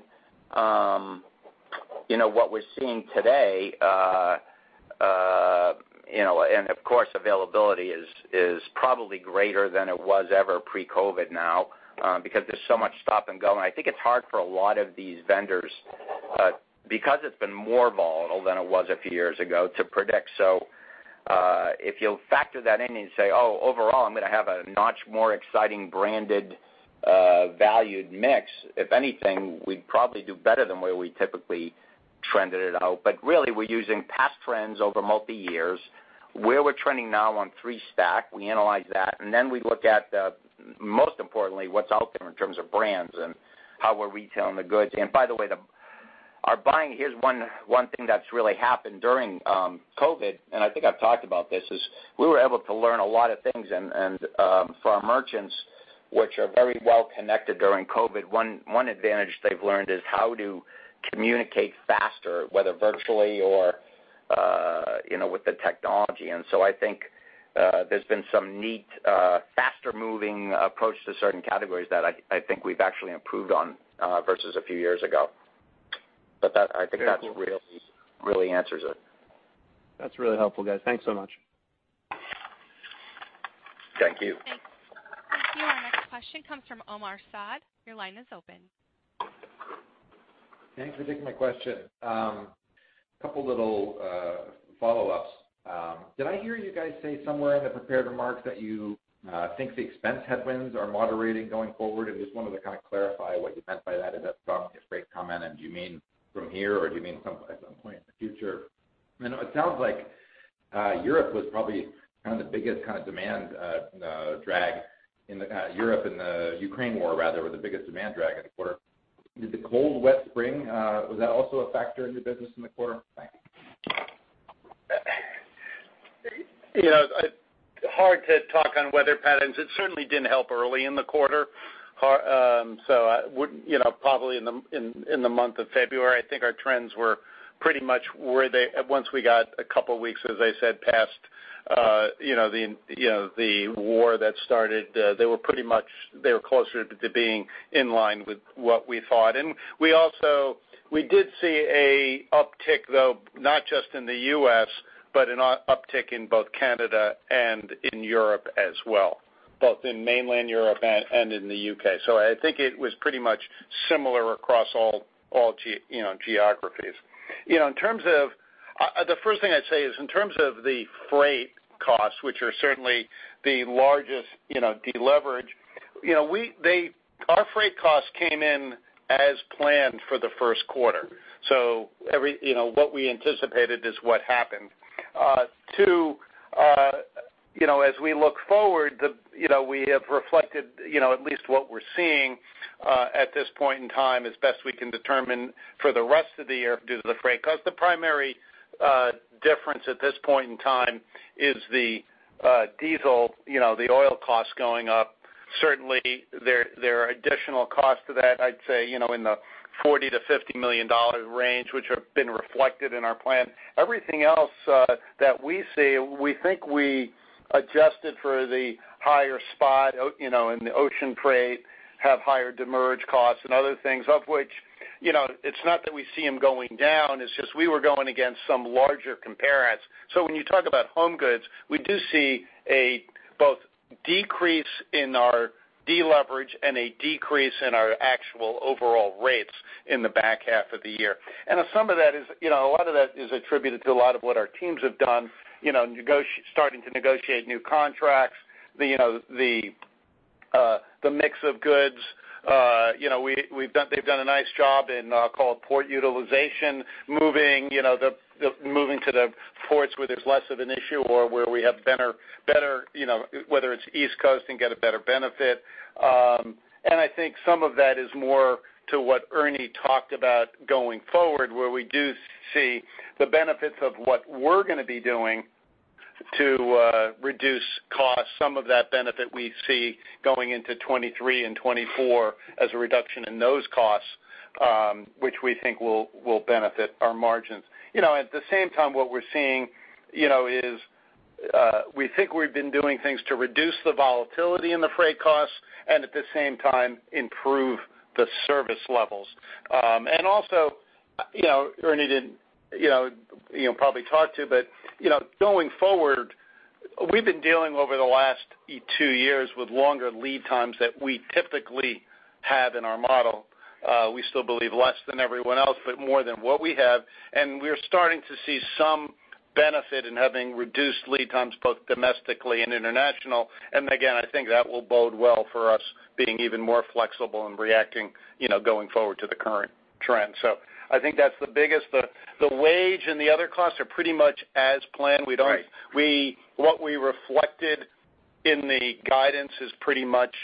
[SPEAKER 2] you know, what we're seeing today, you know, and of course, availability is probably greater than it was ever pre-COVID now, because there's so much stop and go. I think it's hard for a lot of these vendors, because it's been more volatile than it was a few years ago to predict. If you'll factor that in and say, "Oh, overall, I'm gonna have a notch more exciting branded valued mix," if anything, we'd probably do better than where we typically trended it out. Really, we're using past trends over multi years, where we're trending now on three-stack. We analyze that, and then we look at, most importantly, what's out there in terms of brands and how we're retailing the goods. By the way, our buying, here's one thing that's really happened during COVID, and I think I've talked about this, is we were able to learn a lot of things and for our merchants, which are very well connected during COVID, one advantage they've learned is how to communicate faster, whether virtually or you know, with the technology. I think there's been some neat faster moving approach to certain categories that I think we've actually improved on versus a few years ago. That really answers it.
[SPEAKER 9] That's really helpful, guys. Thanks so much.
[SPEAKER 2] Thank you.
[SPEAKER 1] Thanks. Thank you. Our next question comes from Omar Saad. Your line is open.
[SPEAKER 10] Thanks for taking my question. Couple little follow-ups. Did I hear you guys say somewhere in the prepared remarks that you think the expense headwinds are moderating going forward? I just wanted to kind of clarify what you meant by that. Is that from a freight comment? Do you mean from here, or do you mean at some point in the future? I know it sounds like Europe was probably kind of the biggest kind of demand drag. Europe and the Ukraine war, rather, were the biggest demand drag in the quarter. Did the cold, wet spring was that also a factor in your business in the quarter? Thanks.
[SPEAKER 4] You know, hard to talk on weather patterns. It certainly didn't help early in the quarter. I would, you know, probably in the month of February, I think our trends were pretty much where they were. Once we got a couple of weeks, as I said, past, you know, the war that started, they were pretty much closer to being in line with what we thought. We also did see an uptick, though, not just in the U.S., but an uptick in both Canada and in Europe as well, both in mainland Europe and in the U.K. I think it was pretty much similar across all geographies. You know, in terms of The first thing I'd say is in terms of the freight costs, which are certainly the largest, you know, deleverage, you know, our freight costs came in as planned for the Q1. Every, you know, what we anticipated is what happened. Two, you know, as we look forward, the, you know, we have reflected, you know, at least what we're seeing, at this point in time as best we can determine for the rest of the year due to the freight. Because the primary difference at this point in time is the, diesel, you know, the oil costs going up. Certainly, there are additional costs to that, I'd say, you know, in the $40 million-$50 million range, which have been reflected in our plan. Everything else that we see, we think we adjusted for the higher spot, you know, in the ocean freight, have higher demurrage costs and other things of which, you know, it's not that we see them going down, it's just we were going against some larger comps. When you talk about HomeGoods, we do see both a decrease in our deleverage and a decrease in our actual overall rates in the back half of the year. Some of that is, you know, a lot of that is attributed to a lot of what our teams have done, you know, starting to negotiate new contracts, you know, the mix of goods. You know, we've done—they've done a nice job in, call it port utilization, moving, you know, the moving to the ports where there's less of an issue or where we have better, you know, whether it's East Coast and get a better benefit. I think some of that is more to what Ernie talked about going forward, where we do see the benefits of what we're gonna be doing to reduce costs. Some of that benefit we see going into 2023 and 2024 as a reduction in those costs, which we think will benefit our margins. You know, at the same time, what we're seeing, you know, is we think we've been doing things to reduce the volatility in the freight costs and at the same time, improve the service levels. Also, you know, Ernie didn't probably talk to, but, you know, going forward, we've been dealing over the last two years with longer lead times that we typically have in our model. We still believe less than everyone else, but more than what we have. We are starting to see some benefit in having reduced lead times both domestically and international. Again, I think that will bode well for us being even more flexible and reacting, you know, going forward to the current trend. I think that's the biggest. The wage and the other costs are pretty much as planned. We don't-
[SPEAKER 2] Right.
[SPEAKER 4] What we reflected in the guidance is pretty much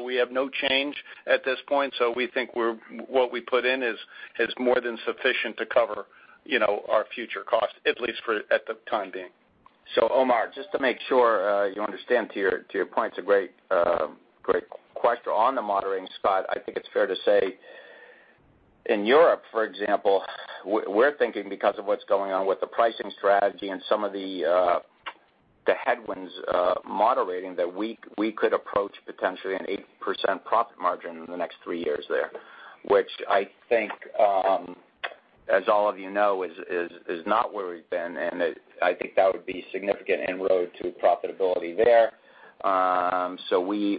[SPEAKER 4] we have no change at this point. We think what we put in is more than sufficient to cover, you know, our future costs, at least for the time being.
[SPEAKER 2] Omar, just to make sure you understand to your point, it's a great question on the moderating, Scott. I think it's fair to say in Europe, for example, we're thinking because of what's going on with the pricing strategy and some of the headwinds moderating that we could approach potentially an 8% profit margin in the next three years there, which I think, as all of you know, is not where we've been. I think that would be significant inroad to profitability there.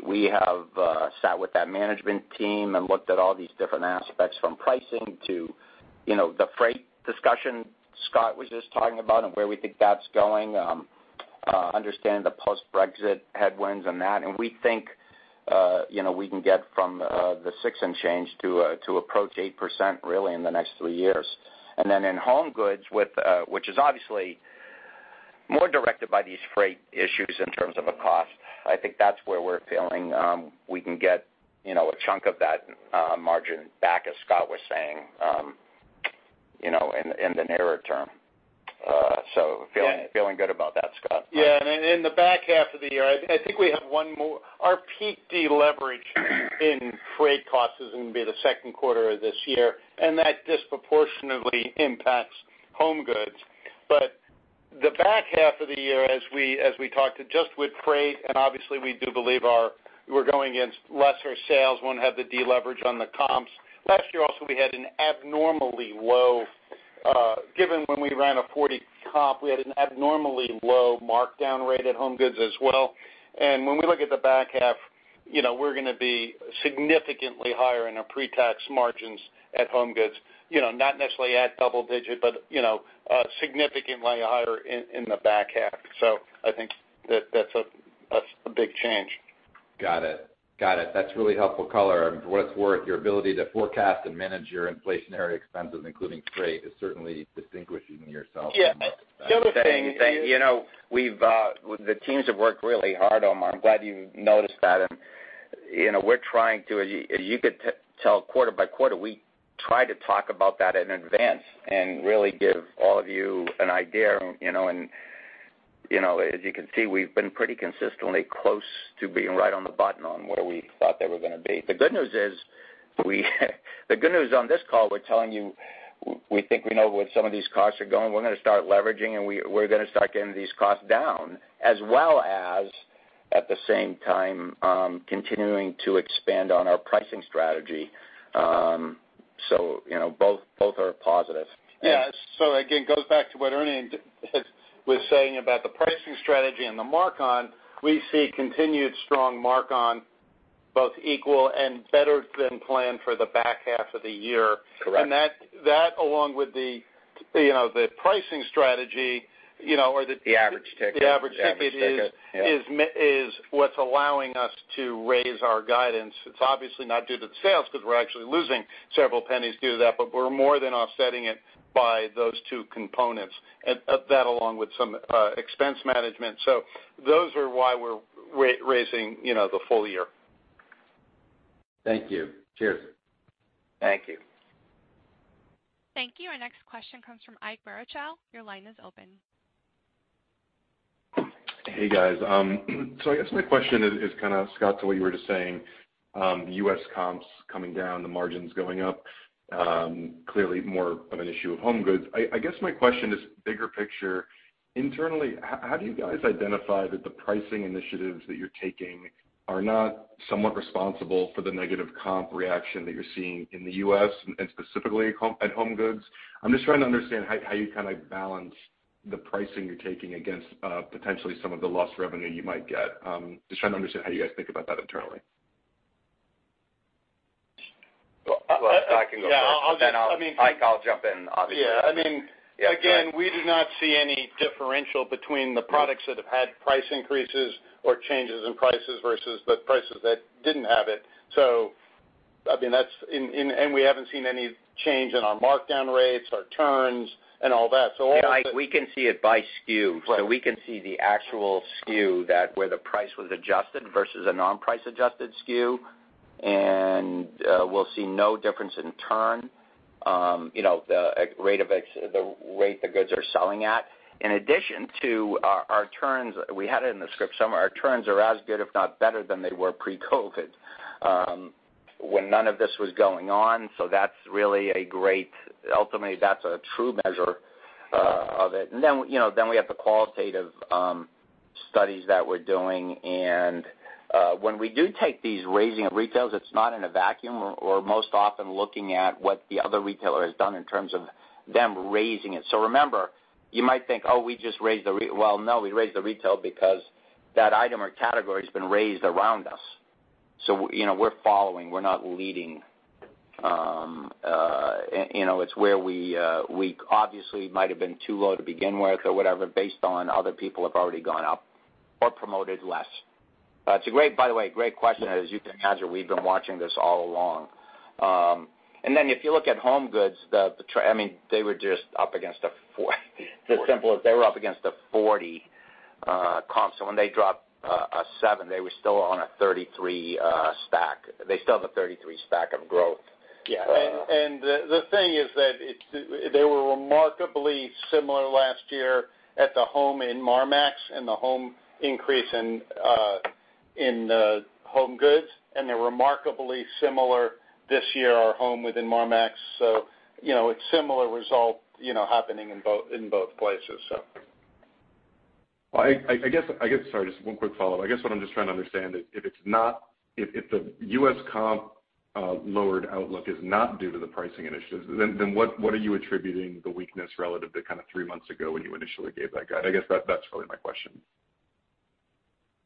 [SPEAKER 2] We have sat with that management team and looked at all these different aspects from pricing to, you know, the freight discussion Scott was just talking about and where we think that's going, understand the post-Brexit headwinds and that. We think, you know, we can get from the six and change to approach 8% really in the next three years. Then in HomeGoods, which is obviously more directed by these freight issues in terms of a cost, I think that's where we're feeling we can get, you know, a chunk of that margin back, as Scott was saying, you know, in the nearer term. Feeling good about that, Scott.
[SPEAKER 4] Yeah. In the back half of the year, I think we have one more. Our peak deleverage in freight costs is gonna be the Q2 of this year, and that disproportionately impacts HomeGoods. The back half of the year, as we talked, it just with freight, and obviously, we do believe we're going against lesser sales, won't have the deleverage on the comps. Last year also, we had an abnormally low, given when we ran a 40 comp, we had an abnormally low markdown rate at HomeGoods as well. When we look at the back half, you know, we're gonna be significantly higher in our pre-tax margins at HomeGoods. You know, not necessarily at double digit, but, you know, significantly higher in the HomeGoods. I think that's a big change.
[SPEAKER 11] Got it. That's really helpful color. For what it's worth, your ability to forecast and manage your inflationary expenses, including freight, is certainly distinguishing yourself from-
[SPEAKER 4] Yeah. The other thing is.
[SPEAKER 2] You know, we've the teams have worked really hard, Omar. I'm glad you noticed that. You know, we're trying, as you could tell quarter by quarter, we try to talk about that in advance and really give all of you an idea, you know. You know, as you can see, we've been pretty consistently close to being right on the button on where we thought they were gonna be. The good news on this call, we're telling you, we think we know where some of these costs are going. We're gonna start leveraging, and we're gonna start getting these costs down as well as, at the same time, continuing to expand on our pricing strategy. You know, both are positive.
[SPEAKER 4] Yeah. Again, goes back to what Ernie was saying about the pricing strategy and the mark-on. We see continued strong mark-on both equal and better than planned for the back half of the year.
[SPEAKER 2] Correct.
[SPEAKER 4] that along with the, you know, the pricing strategy, you know, or the-
[SPEAKER 2] The average ticket.
[SPEAKER 4] The average ticket is. Is what's allowing us to raise our guidance. It's obviously not due to the sales because we're actually losing several pennies due to that, but we're more than offsetting it by those two components. That along with some expense management. Those are why we're raising, you know, the full year.
[SPEAKER 2] Thank you. Cheers.
[SPEAKER 4] Thank you.
[SPEAKER 1] Thank you. Our next question comes from Ike Boruchow. Your line is open.
[SPEAKER 12] Hey, guys. I guess my question is kinda Scott, to what you were just saying, U.S. comps coming down, the margins going up, clearly more of an issue of HomeGoods. I guess my question is bigger picture. Internally, how do you guys identify that the pricing initiatives that you're taking are not somewhat responsible for the negative comp reaction that you're seeing in the U.S. and specifically at HomeGoods? I'm just trying to understand how you kind of balance the pricing you're taking against potentially some of the lost revenue you might get. Just trying to understand how you guys think about that internally.
[SPEAKER 2] Well, I can go first.
[SPEAKER 4] Yeah. I'll just, I mean.
[SPEAKER 2] I'll, Ike, jump in, obviously.
[SPEAKER 4] Yeah. I mean.
[SPEAKER 2] Yeah, go ahead.
[SPEAKER 4] Again, we do not see any differential between the products that have had price increases or changes in prices versus the prices that didn't have it. I mean, that's, and we haven't seen any change in our markdown rates, our turns, and all that. All of the
[SPEAKER 2] Ike, we can see it by SKU.
[SPEAKER 4] Right.
[SPEAKER 2] We can see the actual SKU that where the price was adjusted versus a non-price adjusted SKU. We'll see no difference in turn, the rate the goods are selling at. In addition to our turns, we had it in the script somewhere, our turns are as good, if not better, than they were pre-COVID, when none of this was going on. Ultimately, that's a true measure of it. We have the qualitative studies that we're doing. When we do take these raising of retails, it's not in a vacuum. We're most often looking at what the other retailer has done in terms of them raising it. Remember, you might think, oh, we just raised the retail because that item or category has been raised around us. You know, we're following, we're not leading. It's where we obviously might have been too low to begin with or whatever based on other people have already gone up or promoted less. But it's a great. By the way, great question. As you can imagine, we've been watching this all along. Then if you look at HomeGoods, they were just up against a 40%. It's as simple as they were up against a 40% comp. When they dropped a 7%, they were still on a 33% stack. They still have a 33% stack of growth.
[SPEAKER 4] Yeah. The thing is that they were remarkably similar last year at the home in Marmaxx and the home increase in HomeGoods, and they're remarkably similar this year, our home within Marmaxx. So, you know, it's similar result, you know, happening in both places, so.
[SPEAKER 12] Well, I guess. Sorry, just one quick follow-up. I guess what I'm just trying to understand, if the U.S. comp lowered outlook is not due to the pricing initiatives, then what are you attributing the weakness relative to kind of three months ago when you initially gave that guide? I guess that's really my question.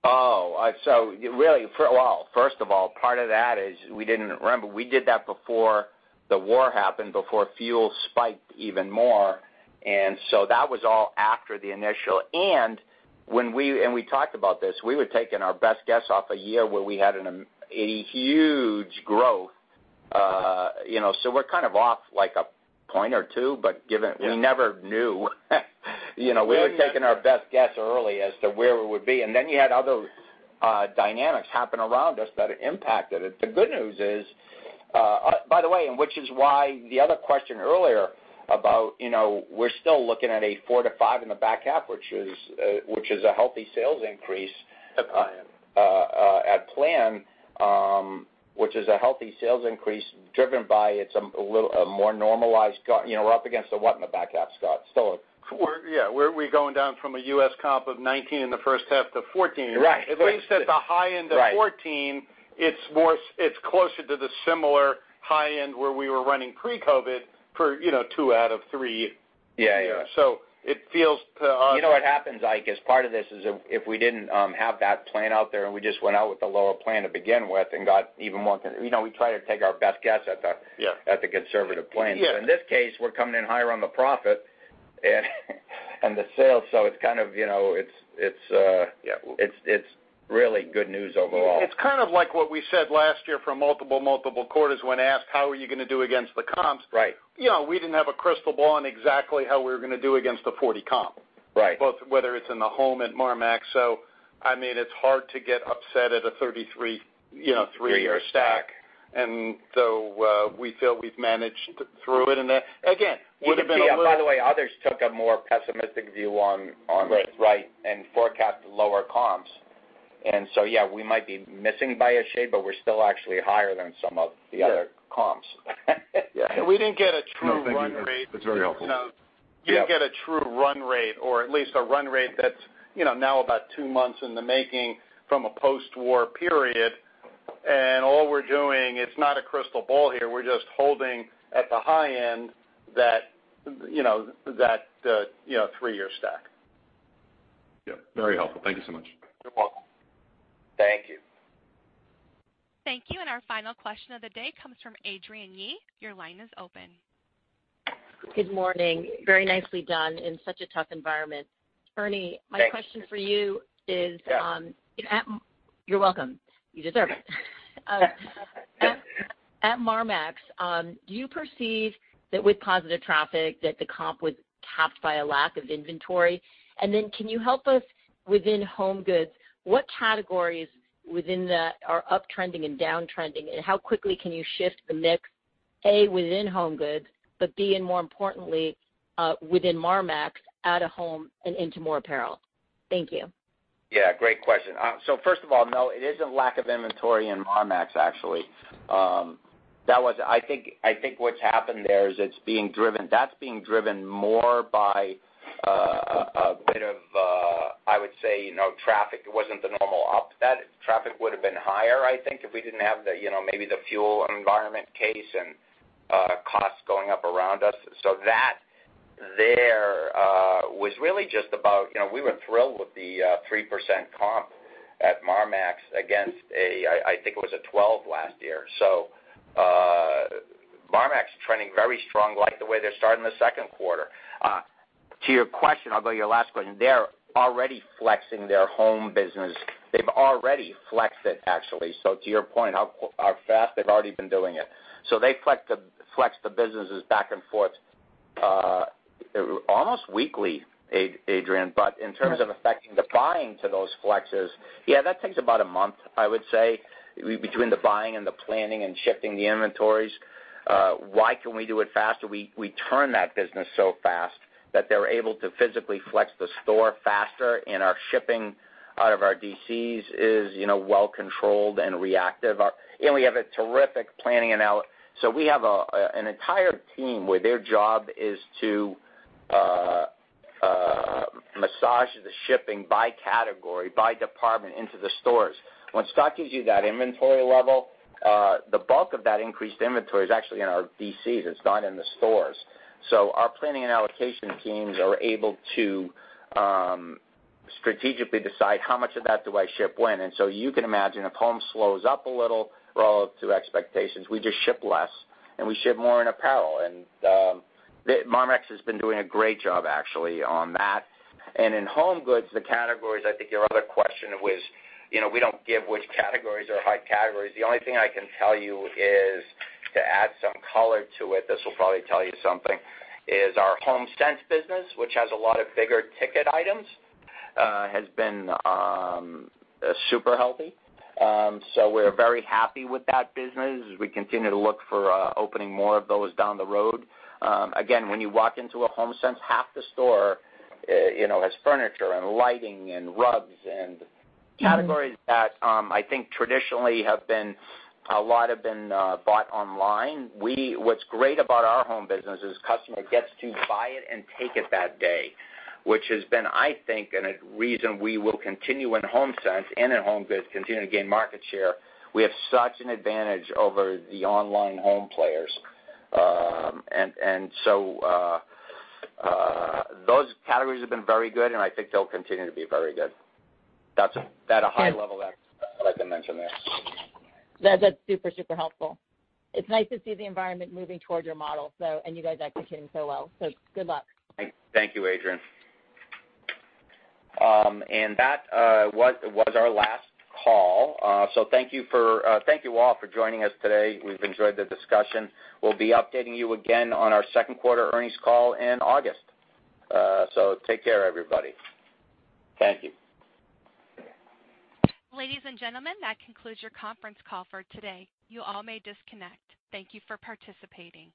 [SPEAKER 2] Really, well, first of all, part of that is we didn't remember. We did that before the war happened, before fuel spiked even more, and so that was all after the initial. When we talked about this, we were taking our best guess off a year where we had a huge growth, you know, so we're kind of off like a point or two, but given-
[SPEAKER 4] Yeah.
[SPEAKER 2] We never knew. You know, we were taking our best guess early as to where we would be, and then you had other dynamics happen around us that impacted it. The good news is, by the way, and which is why the other question earlier about, you know, we're still looking at a 4%-5% in the back half, which is a healthy sales increase. At plan which is a healthy sales increase driven by it's a little more normalized, you know, we're up against a what in the back half, Scott? Still a-
[SPEAKER 4] We're going down from a U.S. comp of 19% in the H1 to 14%.
[SPEAKER 2] Right.
[SPEAKER 4] It brings it to high end of 14.
[SPEAKER 2] Right.
[SPEAKER 4] It's closer to the similar high end where we were running pre-COVID for, you know, two out of three years.
[SPEAKER 2] Yeah, yeah.
[SPEAKER 4] It feels to us.
[SPEAKER 2] You know what happens, Ike, as part of this is if we didn't have that plan out there and we just went out with a lower plan to begin with and got even more than. You know, we try to take our best guess at the
[SPEAKER 4] Yeah.
[SPEAKER 2] at the conservative plan.
[SPEAKER 4] Yeah.
[SPEAKER 2] In this case, we're coming in higher on the profit and the sales, so it's kind of, you know, it's.
[SPEAKER 4] Yeah.
[SPEAKER 2] It's really good news overall.
[SPEAKER 4] It's kind of like what we said last year for multiple quarters when asked, "How are you gonna do against the comps?
[SPEAKER 2] Right.
[SPEAKER 4] You know, we didn't have a crystal ball on exactly how we were gonna do against the 40 comp.
[SPEAKER 2] Right.
[SPEAKER 4] Both whether it's in the home at Marmaxx. I mean, it's hard to get upset at a 33%, you know, three-year stack. We feel we've managed through it. Again, would have been a little-
[SPEAKER 2] By the way, others took a more pessimistic view on.
[SPEAKER 4] Right.
[SPEAKER 2] Forecast lower comps. Yeah, we might be missing by a shade, but we're still actually higher than some of the other comps.
[SPEAKER 4] Yeah. We didn't get a true run rate.
[SPEAKER 12] No, thank you. That's very helpful.
[SPEAKER 4] We didn't get a true run rate or at least a run rate that's, you know, now about two months in the making from a post-war period. All we're doing, it's not a crystal ball here, we're just holding at the high end that, you know, three-year stack.
[SPEAKER 12] Yeah. Very helpful. Thank you so much.
[SPEAKER 4] You're welcome.
[SPEAKER 2] Thank you.
[SPEAKER 1] Thank you. Our final question of the day comes from Adrienne Yih. Your line is open.
[SPEAKER 13] Good morning. Very nicely done in such a tough environment. Ernie, my question for you is,
[SPEAKER 2] Yeah.
[SPEAKER 13] You're welcome. You deserve it. At Marmaxx, do you perceive that with positive traffic, that the comp was capped by a lack of inventory? Can you help us within HomeGoods, what categories within that are uptrending and downtrending, and how quickly can you shift the mix, A, within HomeGoods, but B, and more importantly, within Marmaxx out of home and into more apparel? Thank you.
[SPEAKER 2] Yeah, great question. First of all, no, it isn't lack of inventory in Marmaxx, actually. I think what's happened there is it's being driven more by a bit of, I would say, you know, traffic. It wasn't the normal up. That traffic would have been higher, I think, if we didn't have the, you know, maybe the fuel environment case and costs going up around us. That there was really just about, you know, we were thrilled with the 3% comp at Marmaxx against a, I think it was a 12% last year. Marmaxx is trending very strong, like the way they're starting the Q2. To your question, although your last question, they're already flexing their home business. They've already flexed it, actually. To your point, how fast they've already been doing it. They flex the businesses back and forth almost weekly, Adrienne. In terms of affecting the buying to those flexes, yeah, that takes about a month, I would say, between the buying and the planning and shifting the inventories. Why can we do it faster? We turn that business so fast that they're able to physically flex the store faster, and our shipping out of our DCs is, you know, well controlled and reactive. And we have a terrific planning and all so we have an entire team where their job is to massage the shipping by category, by department into the stores. When Scott gives you that inventory level, the bulk of that increased inventory is actually in our DCs. It's not in the stores. Our planning and allocation teams are able to strategically decide how much of that do I ship when. You can imagine if home slows up a little relative to expectations, we just ship less, and we ship more in apparel. The Marmaxx has been doing a great job actually on that. In HomeGoods, the categories, I think your other question was, you know, we don't give which categories are high categories. The only thing I can tell you is to add some color to it, this will probably tell you something, is our HomeSense business, which has a lot of big-ticket items, has been super healthy. We're very happy with that business as we continue to look for opening more of those down the road. Again, when you walk into a HomeSense, half the store, you know, has furniture and lighting and rugs and categories that I think traditionally, a lot have been bought online. What's great about our home business is customer gets to buy it and take it that day, which has been, I think, and a reason we will continue in HomeSense and in HomeGoods, continue to gain market share. We have such an advantage over the online home players. Those categories have been very good, and I think they'll continue to be very good. That's at a high level that I can mention there.
[SPEAKER 13] That's super helpful. It's nice to see the environment moving towards your model, so, and you guys executing so well. Good luck.
[SPEAKER 4] Thank you, Adrienne.
[SPEAKER 2] That was our last call. Thank you all for joining us today. We've enjoyed the discussion. We'll be updating you again on our Q2 earnings call in August. Take care, everybody.
[SPEAKER 4] Thank you.
[SPEAKER 1] Ladies and gentlemen, that concludes your conference call for today. You all may disconnect. Thank you for participating.